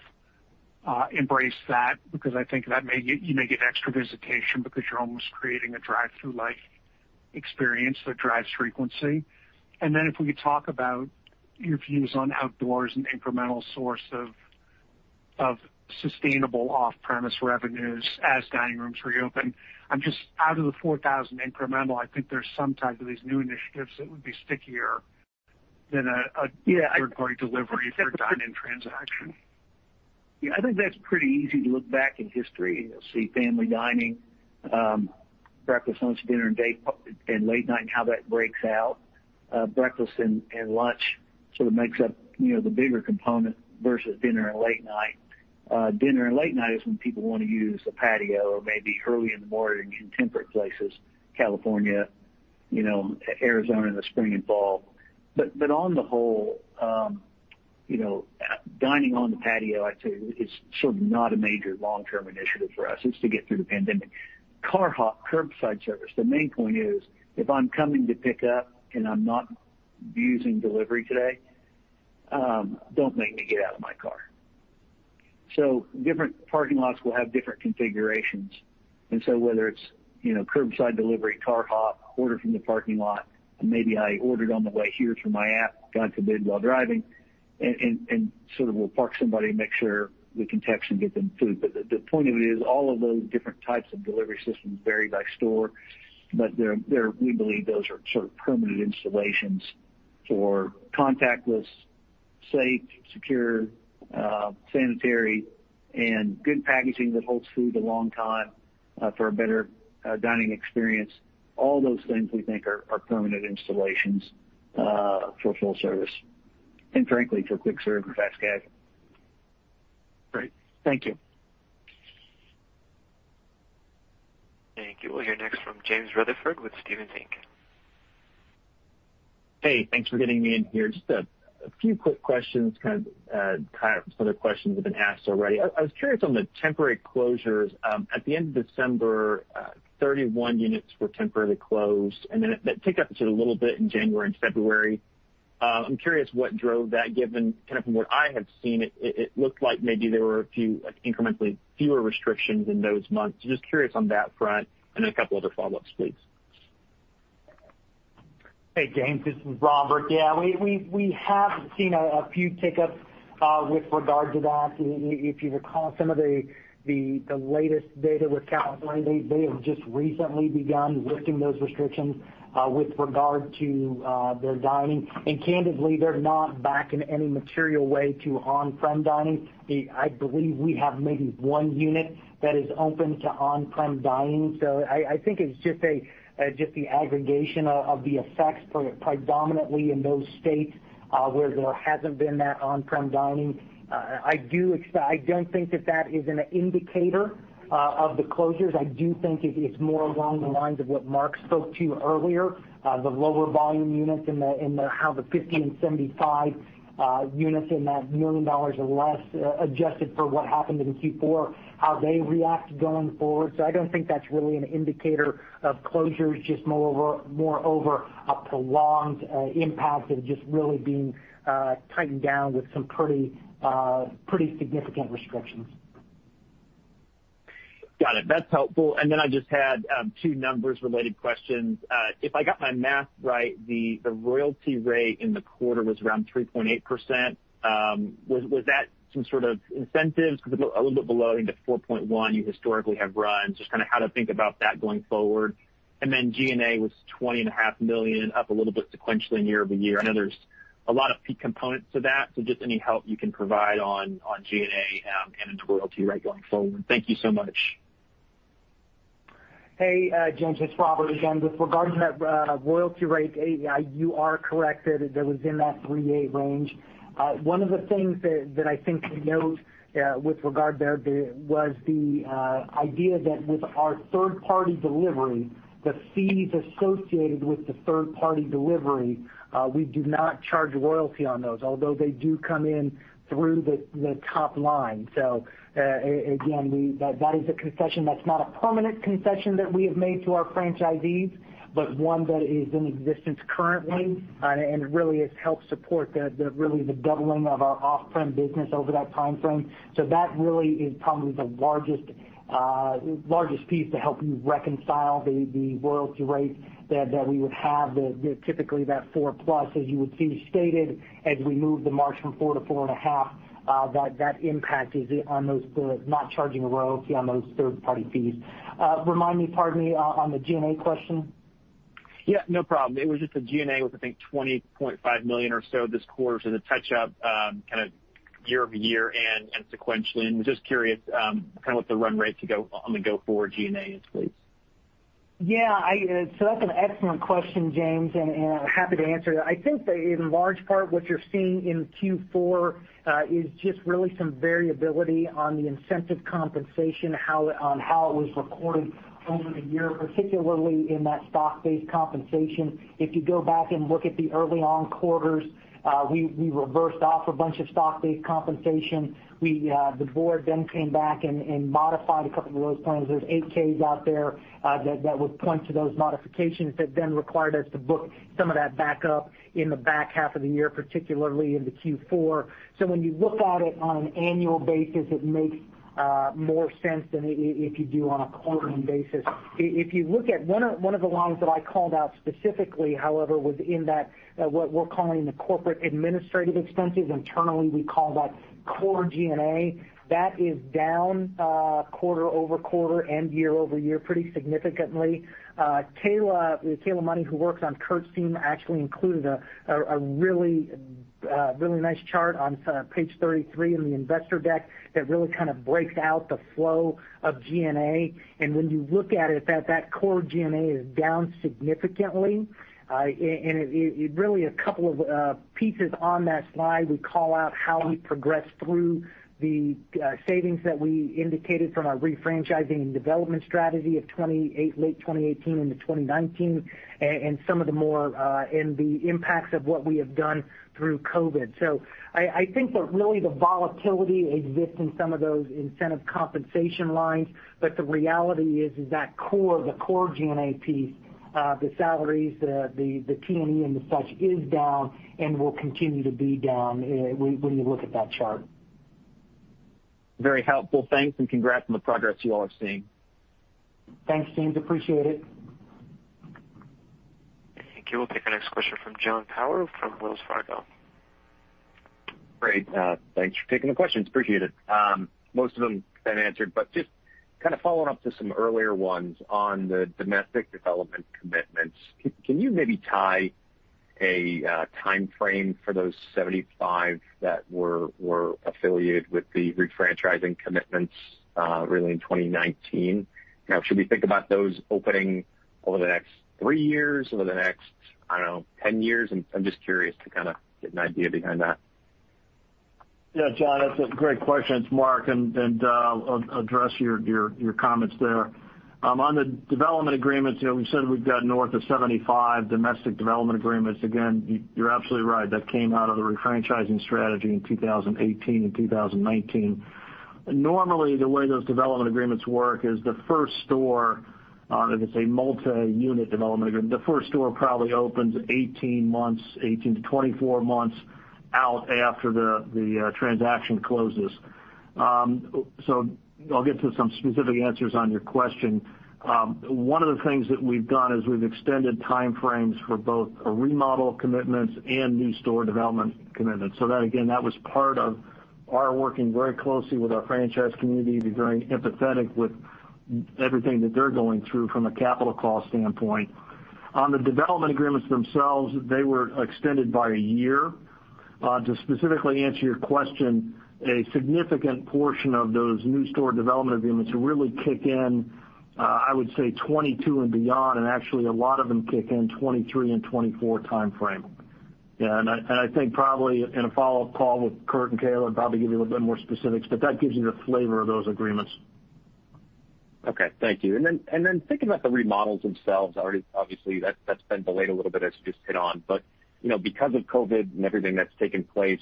embraced that, because I think that you may get extra visitation because you're almost creating a drive-through-like experience that drives frequency. If we could talk about your views on outdoors and incremental source of sustainable off-premise revenues as dining rooms reopen. I'm just, out of the 4,000 incremental, I think there's some type of these new initiatives that would be stickier than a third-party delivery for a dine-in transaction. Yeah, I think that's pretty easy to look back in history and see family dining, breakfast, lunch, dinner, and late night, and how that breaks out. Breakfast and lunch sort of makes up the bigger component versus dinner and late night. Dinner and late night is when people want to use a patio or maybe early in the morning in temperate places, California, Arizona in the spring and fall. On the whole, dining on the patio, I'd say, is sort of not a major long-term initiative for us. It's to get through the pandemic. Car hop, curbside service, the main point is, if I'm coming to pick up and I'm not using delivery today, don't make me get out of my car. Different parking lots will have different configurations, whether it's curbside delivery, car hop, order from the parking lot, and maybe I ordered on the way here from my app, God forbid, while driving, and sort of we'll park somebody and make sure we can text and get them food. The point of it is all of those different types of delivery systems vary by store. We believe those are sort of permanent installations for contactless, safe, secure, sanitary, and good packaging that holds food a long time for a better dining experience. All those things we think are permanent installations for full service, and frankly, for quick serve and fast casual. Great. Thank you. Thank you. We'll hear next from James Rutherford with Stephens Inc. Hey, thanks for getting me in here. Just a few quick questions, kind of some of the questions that have been asked already. I was curious on the temporary closures. At the end of December, 31 units were temporarily closed. That ticked up just a little bit in January and February. I'm curious what drove that, given kind of from what I have seen, it looked like maybe there were a few incrementally fewer restrictions in those months. Just curious on that front. Then a couple other follow-ups, please. Hey, James, this is Robert. Yeah, we have seen a few tick-ups with regard to that. If you recall some of the latest data with California, they have just recently begun lifting those restrictions with regard to their dining. Candidly, they're not back in any material way to on-prem dining. I believe we have maybe one unit that is open to on-prem dining. I think it's just the aggregation of the effects predominantly in those states where there hasn't been that on-prem dining. I don't think that that is an indicator of the closures. I do think it's more along the lines of what Mark spoke to earlier, the lower volume units and ow the 50 and 75 units and that $1 million or less, adjusted for what happened in Q4, how they react going forward. I don't think that's really an indicator of closures, just moreover a prolonged impact of just really being tightened down with some pretty significant restrictions. Got it. That's helpful. I just had two numbers-related questions. If I got my math right, the royalty rate in the quarter was around 3.8%. Was that some sort of incentive because a little bit below, I think the 4.1 you historically have run, just how to think about that going forward? G&A was $20.5 million, up a little bit sequentially year-over-year. I know there's a lot of peak components to that, so just any help you can provide on G&A and the royalty rate going forward? Thank you so much. Hey, James. It's Robert again. With regard to that royalty rate, you are correct that it was in that three, eight range. One of the things that I think to note with regard there was the idea that with our third-party delivery, the fees associated with the third-party delivery, we do not charge a royalty on those, although they do come in through the top line. Again, that is a concession that's not a permanent concession that we have made to our franchisees, but one that is in existence currently, and really has helped support the doubling of our off-prem business over that timeframe. That really is probably the largest piece to help you reconcile the royalty rate that we would have, the typically that four-plus, as you would see stated, as we move the margin from four to four and a half, that impact is on those for not charging a royalty on those third-party fees. Remind me, pardon me, on the G&A question. Yeah, no problem. It was just the G&A was, I think, $20.5 million or so this quarter. The touch up kind of year-over-year and sequentially. Was just curious kind of what the run rate on the go forward G&A is, please. That's an excellent question, James, and I'm happy to answer that. I think that in large part, what you're seeing in Q4 is just really some variability on the incentive compensation on how it was recorded over the year, particularly in that stock-based compensation. If you go back and look at the early on quarters, we reversed off a bunch of stock-based compensation. The board then came back and modified a couple of those plans. There's 8-Ks out there that would point to those modifications that then required us to book some of that back up in the back half of the year, particularly into Q4. When you look at it on an annual basis, it makes more sense than if you do on a quartering basis. If you look at one of the lines that I called out specifically, however, was in that what we're calling the corporate administrative expenses. Internally, we call that core G&A. That is down quarter-over-quarter and year-over-year pretty significantly. Kayla Money, who works on Curt's team, actually included a really nice chart on page 33 in the investor deck that really kind of breaks out the flow of G&A. When you look at it, that core G&A is down significantly. Really a couple of pieces on that slide, we call out how we progress through the savings that we indicated from our refranchising and development strategy of late 2018 into 2019, and the impacts of what we have done through COVID. I think that really the volatility exists in some of those incentive compensation lines, but the reality is that core G&A piece, the salaries, the T&E and such, is down and will continue to be down when you look at that chart. Very helpful. Thanks, and congrats on the progress you all are seeing. Thanks, James. Appreciate it. Thank you. We'll take our next question from Jon Tower from Wells Fargo. Great. Thanks for taking the questions. Appreciate it. Most of them have been answered, but just kind of following up to some earlier ones on the domestic development commitments, can you maybe tie a timeframe for those 75 that were affiliated with the refranchising commitments really in 2019? Should we think about those opening over the next three years? Over the next, I don't know, 10 years? I'm just curious to kind of get an idea behind that. Yeah, Jon, that's a great question. It's Mark, and I'll address your comments there. On the development agreements, we said we've got north of 75 domestic development agreements. Again, you're absolutely right, that came out of the refranchising strategy in 2018 and 2019. Normally, the way those development agreements work is the first store, if it's a multi-unit development agreement, the first store probably opens 18 months, 18-24 months out after the transaction closes. I'll get to some specific answers on your question. One of the things that we've done is we've extended timeframes for both a remodel commitments and new store development commitments. That, again, that was part of our working very closely with our franchise community to be very empathetic with everything that they're going through from a capital cost standpoint. On the development agreements themselves, they were extended by a year. To specifically answer your question, a significant portion of those new store development agreements really kick in, I would say 2022 and beyond, and actually a lot of them kick in 2023 and 2024 timeframe. Yeah, I think probably in a follow-up call with Curt and Kayla, I'd probably give you a little bit more specifics, but that gives you the flavor of those agreements. Okay. Thank you. Thinking about the remodels themselves, obviously that's been delayed a little bit as you just hit on. Because of COVID-19 and everything that's taken place,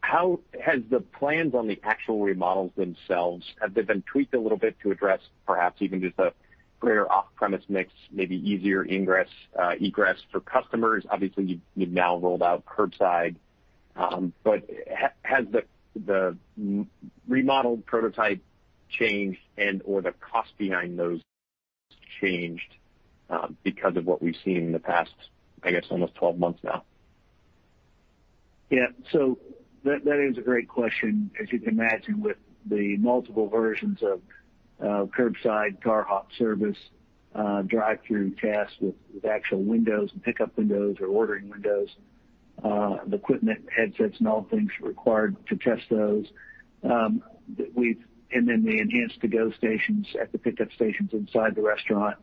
how has the plans on the actual remodels themselves, have they been tweaked a little bit to address perhaps even just a greater off-premise mix, maybe easier ingress, egress for customers? Obviously, you've now rolled out curbside. Has the remodeled prototype changed and/or the cost behind those changed because of what we've seen in the past, I guess almost 12 months now? Yeah. That is a great question. As you can imagine with the multiple versions of curbside, car hop service, drive-through tasks with actual windows and pickup windows or ordering windows. The equipment, headsets, and all things required to test those. The enhanced to-go stations at the pickup stations inside the restaurant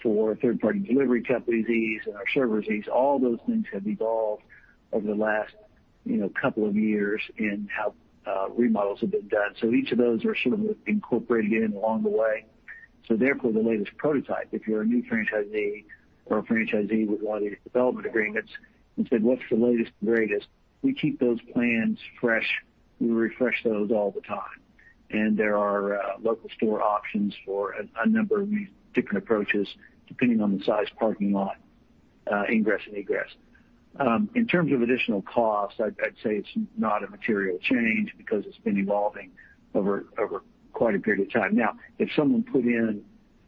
for third-party delivery companies ease and our servers ease. All those things have evolved over the last couple of years in how remodels have been done. Each of those are sort of incorporated in along the way. Therefore, the latest prototype, if you're a new franchisee or a franchisee with one of these development agreements and said, "What's the latest and greatest?" We keep those plans fresh. We refresh those all the time. There are local store options for a number of these different approaches, depending on the size parking lot, ingress and egress. In terms of additional cost, I'd say it's not a material change because it's been evolving over quite a period of time. If someone put in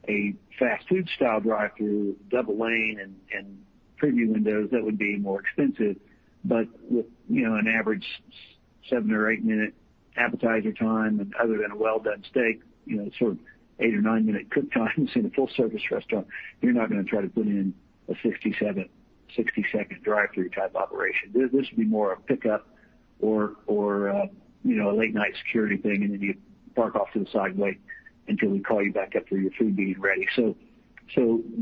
a fast food style drive-through [with a two] lane and preview windows, that would be more expensive. With an average seven or eight minute appetizer time, and other than a well-done steak, sort of eight or nine minute cook times in a full service restaurant, you're not going to try to put in a 60-second drive-through type operation. This will be more a pickup or a late-night security thing, and then you park off to the side and wait until we call you back after your food being ready. The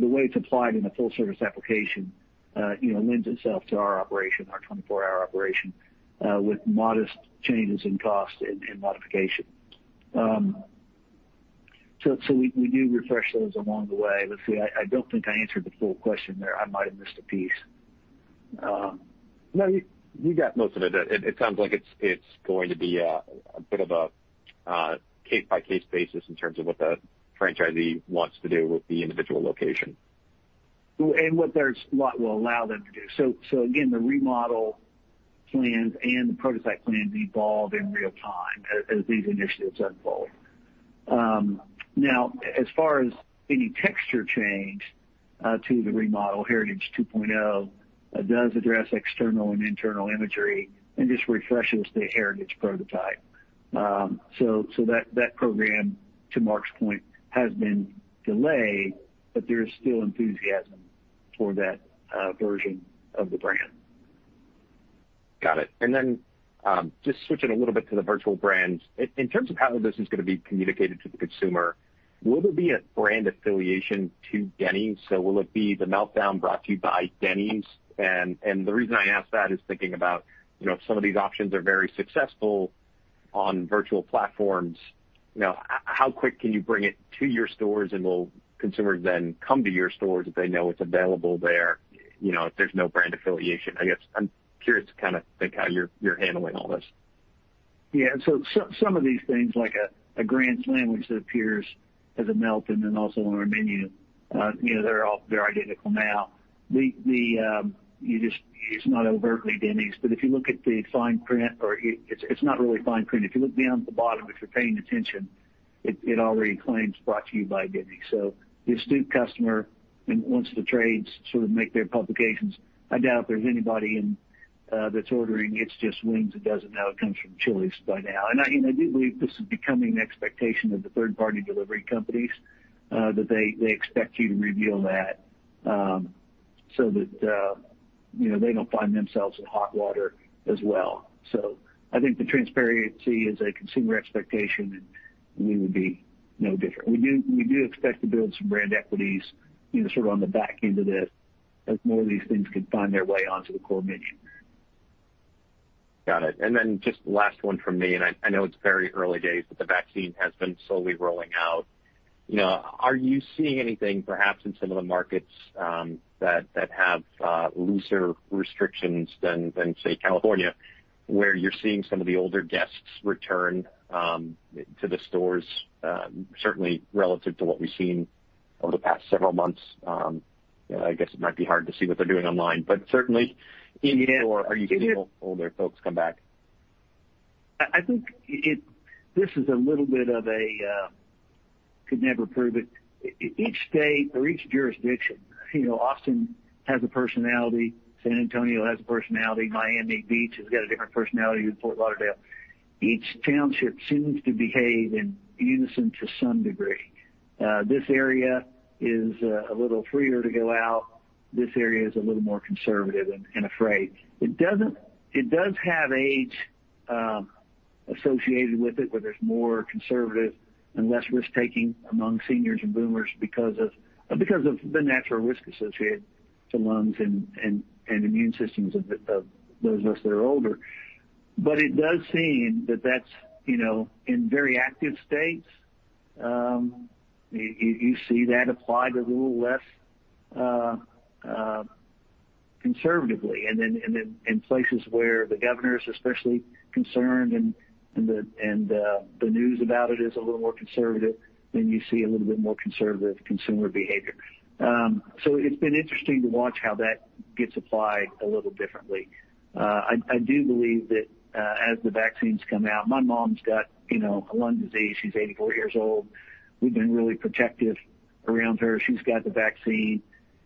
way it's applied in a full service application lends itself to our operation, our 24-hour operation, with modest changes in cost and modification. We do refresh those along the way. Let's see. I don't think I answered the full question there. I might have missed a piece. You got most of it. It sounds like it's going to be a bit of a case-by-case basis in terms of what the franchisee wants to do with the individual location. What their spot will allow them to do. Again, the remodel plans and the prototype plans evolve in real time as these initiatives unfold. As far as any texture change to the remodel, Heritage 2.0 does address external and internal imagery and just refreshes the Heritage prototype. That program, to Mark's point, has been delayed, but there is still enthusiasm for that version of the brand. Got it. Then, just switching a little bit to the virtual brands. In terms of how this is going to be communicated to the consumer, will there be a brand affiliation to Denny's? Will it be The Meltdown brought to you by Denny's? The reason I ask that is thinking about if some of these options are very successful on virtual platforms, how quick can you bring it to your stores, and will consumers then come to your stores if they know it's available there if there's no brand affiliation? I guess I'm curious to kind of think how you're handling all this. Some of these things, like a Grand Slam which appears as a Meltdown and also on our menu, they're identical now. It's not overtly Denny's, if you look at the fine print, or it's not really fine print. If you look down at the bottom, if you're paying attention, it already claims, "Brought to you by Denny's." The astute customer, and once the trades sort of make their publications, I doubt there's anybody that's ordering It's Just Wings that doesn't know it comes from Chili's by now. I do believe this is becoming an expectation of the third party delivery companies, that they expect you to reveal that, so that they don't find themselves in hot water as well. I think the transparency is a consumer expectation, and we would be no different. We do expect to build some brand equities sort of on the back end of this as more of these things can find their way onto the core menu. Got it. Just last one from me, and I know it's very early days, but the vaccine has been slowly rolling out. Are you seeing anything, perhaps in some of the markets that have looser restrictions than, say, California, where you're seeing some of the older guests return to the stores, certainly relative to what we've seen over the past several months? I guess it might be hard to see what they're doing online, but certainly in-store, are you seeing older folks come back? I think this is a little bit of a could never prove it. Each state or each jurisdiction, Austin has a personality, San Antonio has a personality, Miami Beach has got a different personality than Fort Lauderdale. Each township seems to behave in unison to some degree. This area is a little freer to go out. This area is a little more conservative and afraid. It does have age associated with it, where there's more conservative and less risk-taking among seniors and boomers because of the natural risk associated to lungs and immune systems of those of us that are older. It does seem that that's in very active states, you see that applied a little less conservatively. In places where the governor is especially concerned and the news about it is a little more conservative, then you see a little bit more conservative consumer behavior. It's been interesting to watch how that gets applied a little differently. I do believe that as the vaccines come out, my mom's got a lung disease. She's 84 years old. We've been really protective around her. She's got the vaccine.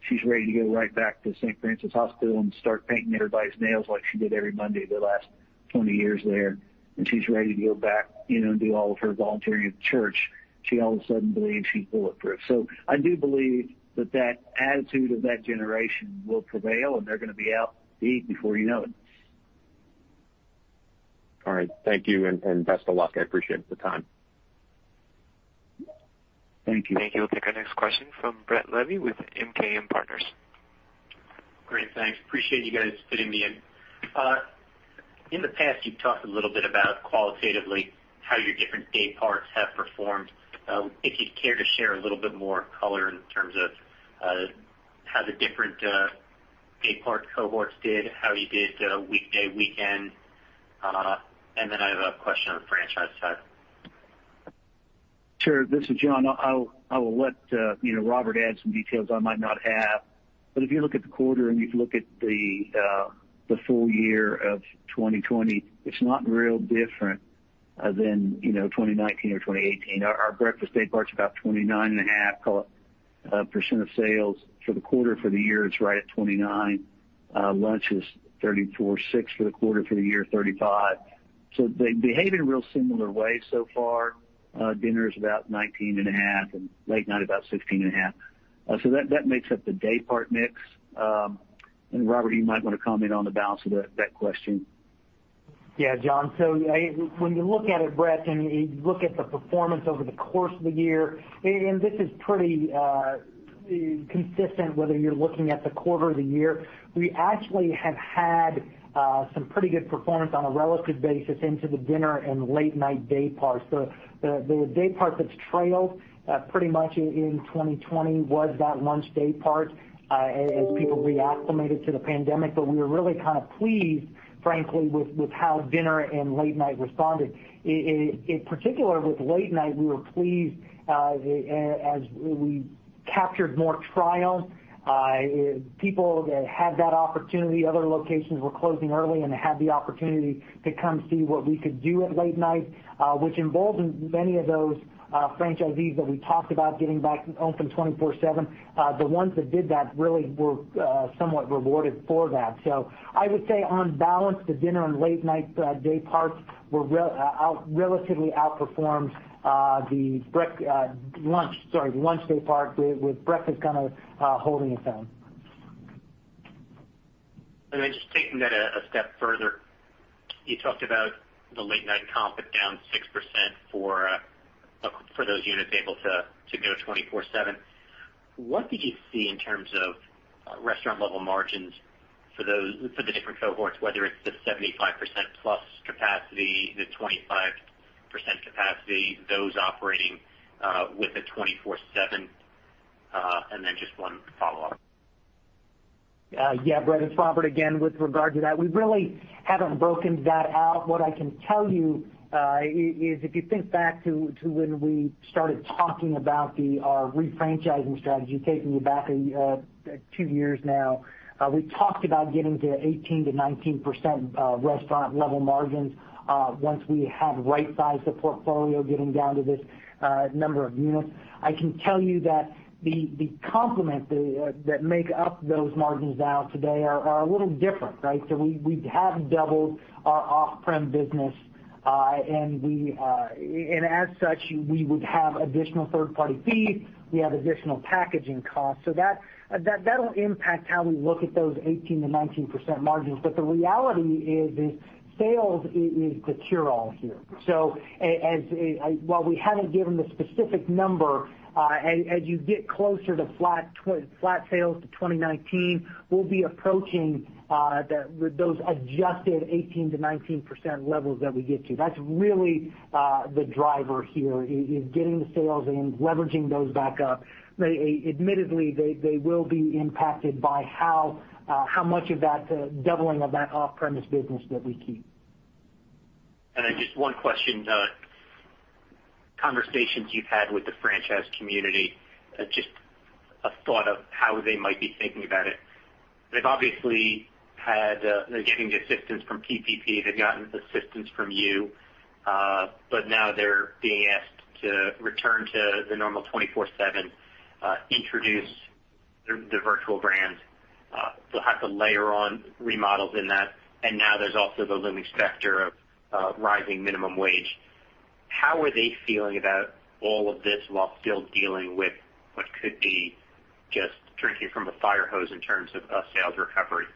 She's ready to go right back to St. Francis Hospital and start painting everybody's nails like she did every Monday the last 20 years later, and she's ready to go back and do all of her volunteering at the church, she all of a sudden believes she's bulletproof. I do believe that that attitude of that generation will prevail, and they're going to be out to eat before you know it. All right. Thank you, and best of luck. I appreciate the time. Thank you. Thank you. We'll take our next question from Brett Levy with MKM Partners. Great. Thanks. Appreciate you guys fitting me in. In the past, you've talked a little bit about qualitatively how your different day parts have performed. If you'd care to share a little bit more color in terms of how the different day part cohorts did, how you did weekday, weekend. Then I have a question on the franchise side. Sure. This is John. I will let Robert add some details I might not have. If you look at the quarter and you look at the full year of 2020, it's not real different than 2019 or 2018. Our breakfast day part is about 29.5% of sales for the quarter. For the year, it's right at 29%. Lunch is 34.6% for the quarter, for the year, 35%. They behave in a real similar way so far. Dinner is about 19.5% and late night about 16.5%. That makes up the day part mix. Robert, you might want to comment on the balance of that question. Yeah, John. When you look at it, Brett, and you look at the performance over the course of the year, and this is pretty consistent whether you're looking at the quarter or the year, we actually have had some pretty good performance on a relative basis into the dinner and late night dayparts. The daypart that's trailed pretty much in 2020 was that lunch daypart as people reacclimated to the pandemic. We were really kind of pleased, frankly, with how dinner and late night responded. In particular, with late night, we were pleased as we captured more trial. People that had that opportunity, other locations were closing early and had the opportunity to come see what we could do at late night, which involved many of those franchisees that we talked about getting back open 24/7. The ones that did that really were somewhat rewarded for that. I would say on balance, the dinner and late night day parts were relatively outperformed the lunch day part, with breakfast kind of holding its own. Just taking that a step further, you talked about the late night comp at down 6% for those units able to go 24/7. What did you see in terms of restaurant level margins for the different cohorts, whether it's the 75%+ capacity, the 25% capacity, those operating with a 24/7? Just one follow-up. Brett, it's Robert again. With regard to that, we really haven't broken that out. What I can tell you is if you think back to when we started talking about our refranchising strategy, taking you back two years now, we talked about getting to 18%-19% restaurant level margins once we had right-sized the portfolio, getting down to this number of units. I can tell you that the complement that make up those margins now today are a little different, right? We have doubled our off-prem business, and as such, we would have additional third-party fees. We have additional packaging costs. That'll impact how we look at those 18%-19% margins. The reality is sales is the cure-all here. While we haven't given the specific number, as you get closer to flat sales to 2019, we'll be approaching those adjusted 18%-19% levels that we get to. That's really the driver here, is getting the sales and leveraging those back up. Admittedly, they will be impacted by how much of that doubling of that off-premise business that we keep. Just one question. Conversations you've had with the franchise community, just a thought of how they might be thinking about it. They've obviously getting the assistance from PPP, they've gotten assistance from you, but now they're being asked to return to the normal 24/7, introduce the virtual brands. They'll have to layer on remodels in that, now there's also the looming specter of rising minimum wage. How are they feeling about all of this while still dealing with what could be just drinking from a fire hose in terms of a sales recovery?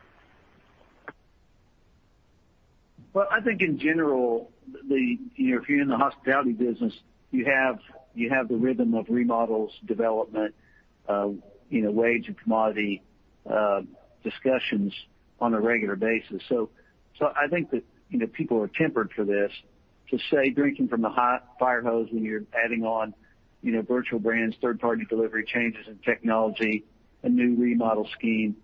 Well, I think in general, if you're in the hospitality business, you have the rhythm of remodels, development, wage and commodity discussions on a regular basis. I think that people are tempered for this. To say drinking from a fire hose when you're adding on virtual brands, third-party delivery, changes in technology, a new remodel scheme.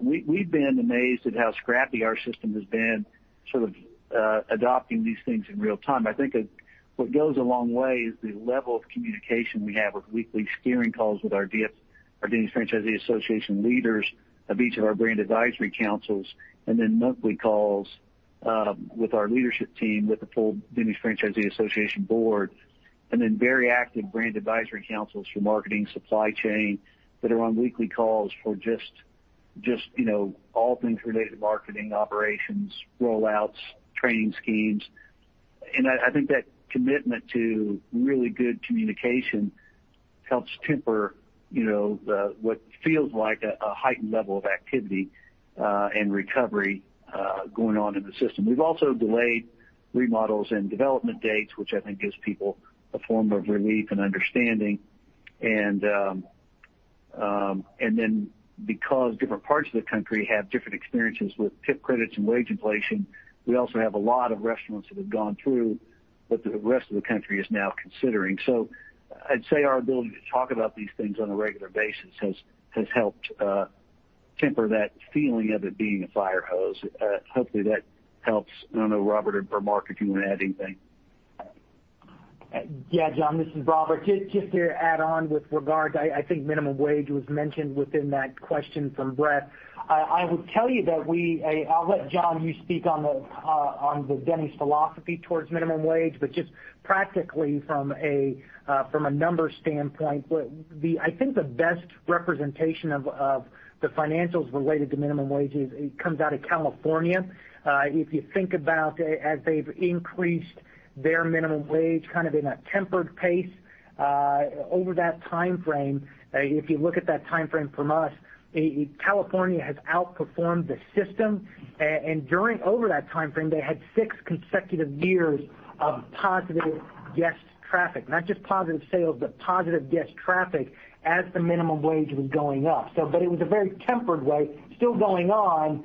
We've been amazed at how scrappy our system has been, sort of adopting these things in real time. I think what goes a long way is the level of communication we have with weekly steering calls with our Denny's Franchisee Association leaders of each of our brand advisory councils, and then monthly calls with our leadership team, with the full Denny's Franchisee Association board. Very active brand advisory councils for marketing supply chain that are on weekly calls for just all things related to marketing operations, rollouts, training schemes. I think that commitment to really good communication helps temper what feels like a heightened level of activity and recovery going on in the system. We've also delayed remodels and development dates, which I think gives people a form of relief and understanding. Because different parts of the country have different experiences with tip credits and wage inflation, we also have a lot of restaurants that have gone through what the rest of the country is now considering. I'd say our ability to talk about these things on a regular basis has helped temper that feeling of it being a fire hose. Hopefully, that helps. I don't know, Robert or Mark, if you want to add anything. Yeah, John, this is Robert. Just to add on with regards, I think minimum wage was mentioned within that question from Brett. I will tell you that I'll let John, you speak on the Denny's philosophy towards minimum wage, but just practically from a numbers standpoint, I think the best representation of the financials related to minimum wage comes out of California. If you think about as they've increased their minimum wage in a tempered pace, over that timeframe, if you look at that timeframe from us, California has outperformed the system. Over that timeframe, they had six consecutive years of positive guest traffic. Not just positive sales, but positive guest traffic as the minimum wage was going up. It was a very tempered way, still going on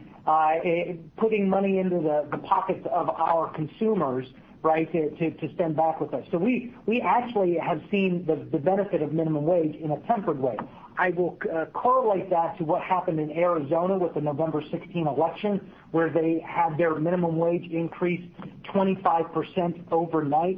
putting money into the pockets of our consumers to spend back with us. We actually have seen the benefit of minimum wage in a tempered way. I will correlate that to what happened in Arizona with the November 16 election, where they had their minimum wage increase 25% overnight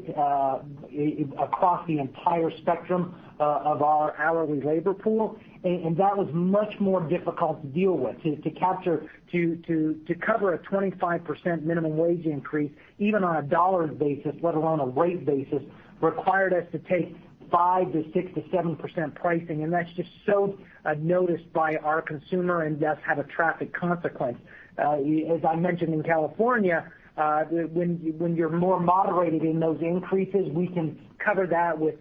across the entire spectrum of our hourly labor pool. That was much more difficult to deal with. To cover a 25% minimum wage increase, even on a dollar basis, let alone a rate basis, required us to take 5%-6%-7% pricing, that's just so noticed by our consumer and does have a traffic consequence. As I mentioned in California, when you're more moderated in those increases, we can cover that with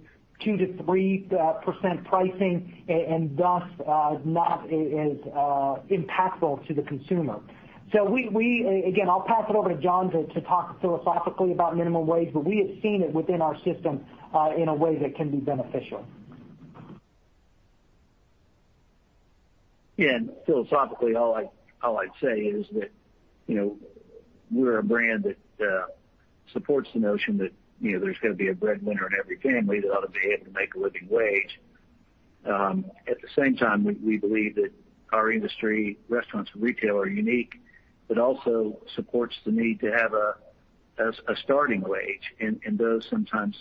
2%-3% pricing thus not as impactful to the consumer. Again, I'll pass it over to John to talk philosophically about minimum wage, but we have seen it within our system in a way that can be beneficial. Yeah. Philosophically, all I'd say is that we're a brand that supports the notion that there's got to be a breadwinner in every family that ought to be able to make a living wage. At the same time, we believe that our industry, restaurants and retail, are unique, but also supports the need to have a starting wage, and those sometimes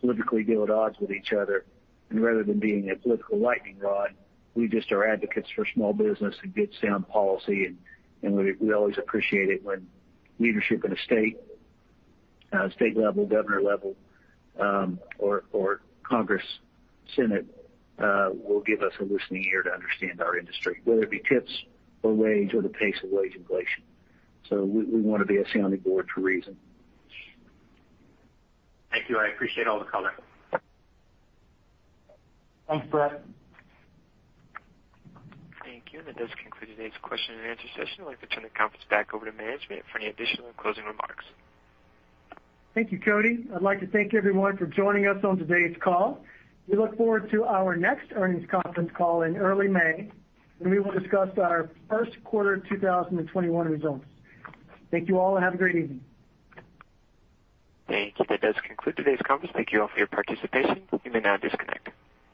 politically deal at odds with each other. Rather than being a political lightning rod, we just are advocates for small business and good, sound policy, and we always appreciate it when leadership in a state level, governor level or Congress, Senate will give us a listening ear to understand our industry, whether it be tips or wage or the pace of wage inflation. We want to be a sounding board for reason. Thank you. I appreciate all the color. Thanks, Brett. Thank you. That does conclude today's question -and-answer session. I'd like to turn the conference back over to management for any additional closing remarks. Thank you, Cody. I'd like to thank everyone for joining us on today's call. We look forward to our next earnings conference call in early May, when we will discuss our first quarter 2021 results. Thank you all, and have a great evening. Thank you. That does conclude today's conference. Thank you all for your participation. You may now disconnect.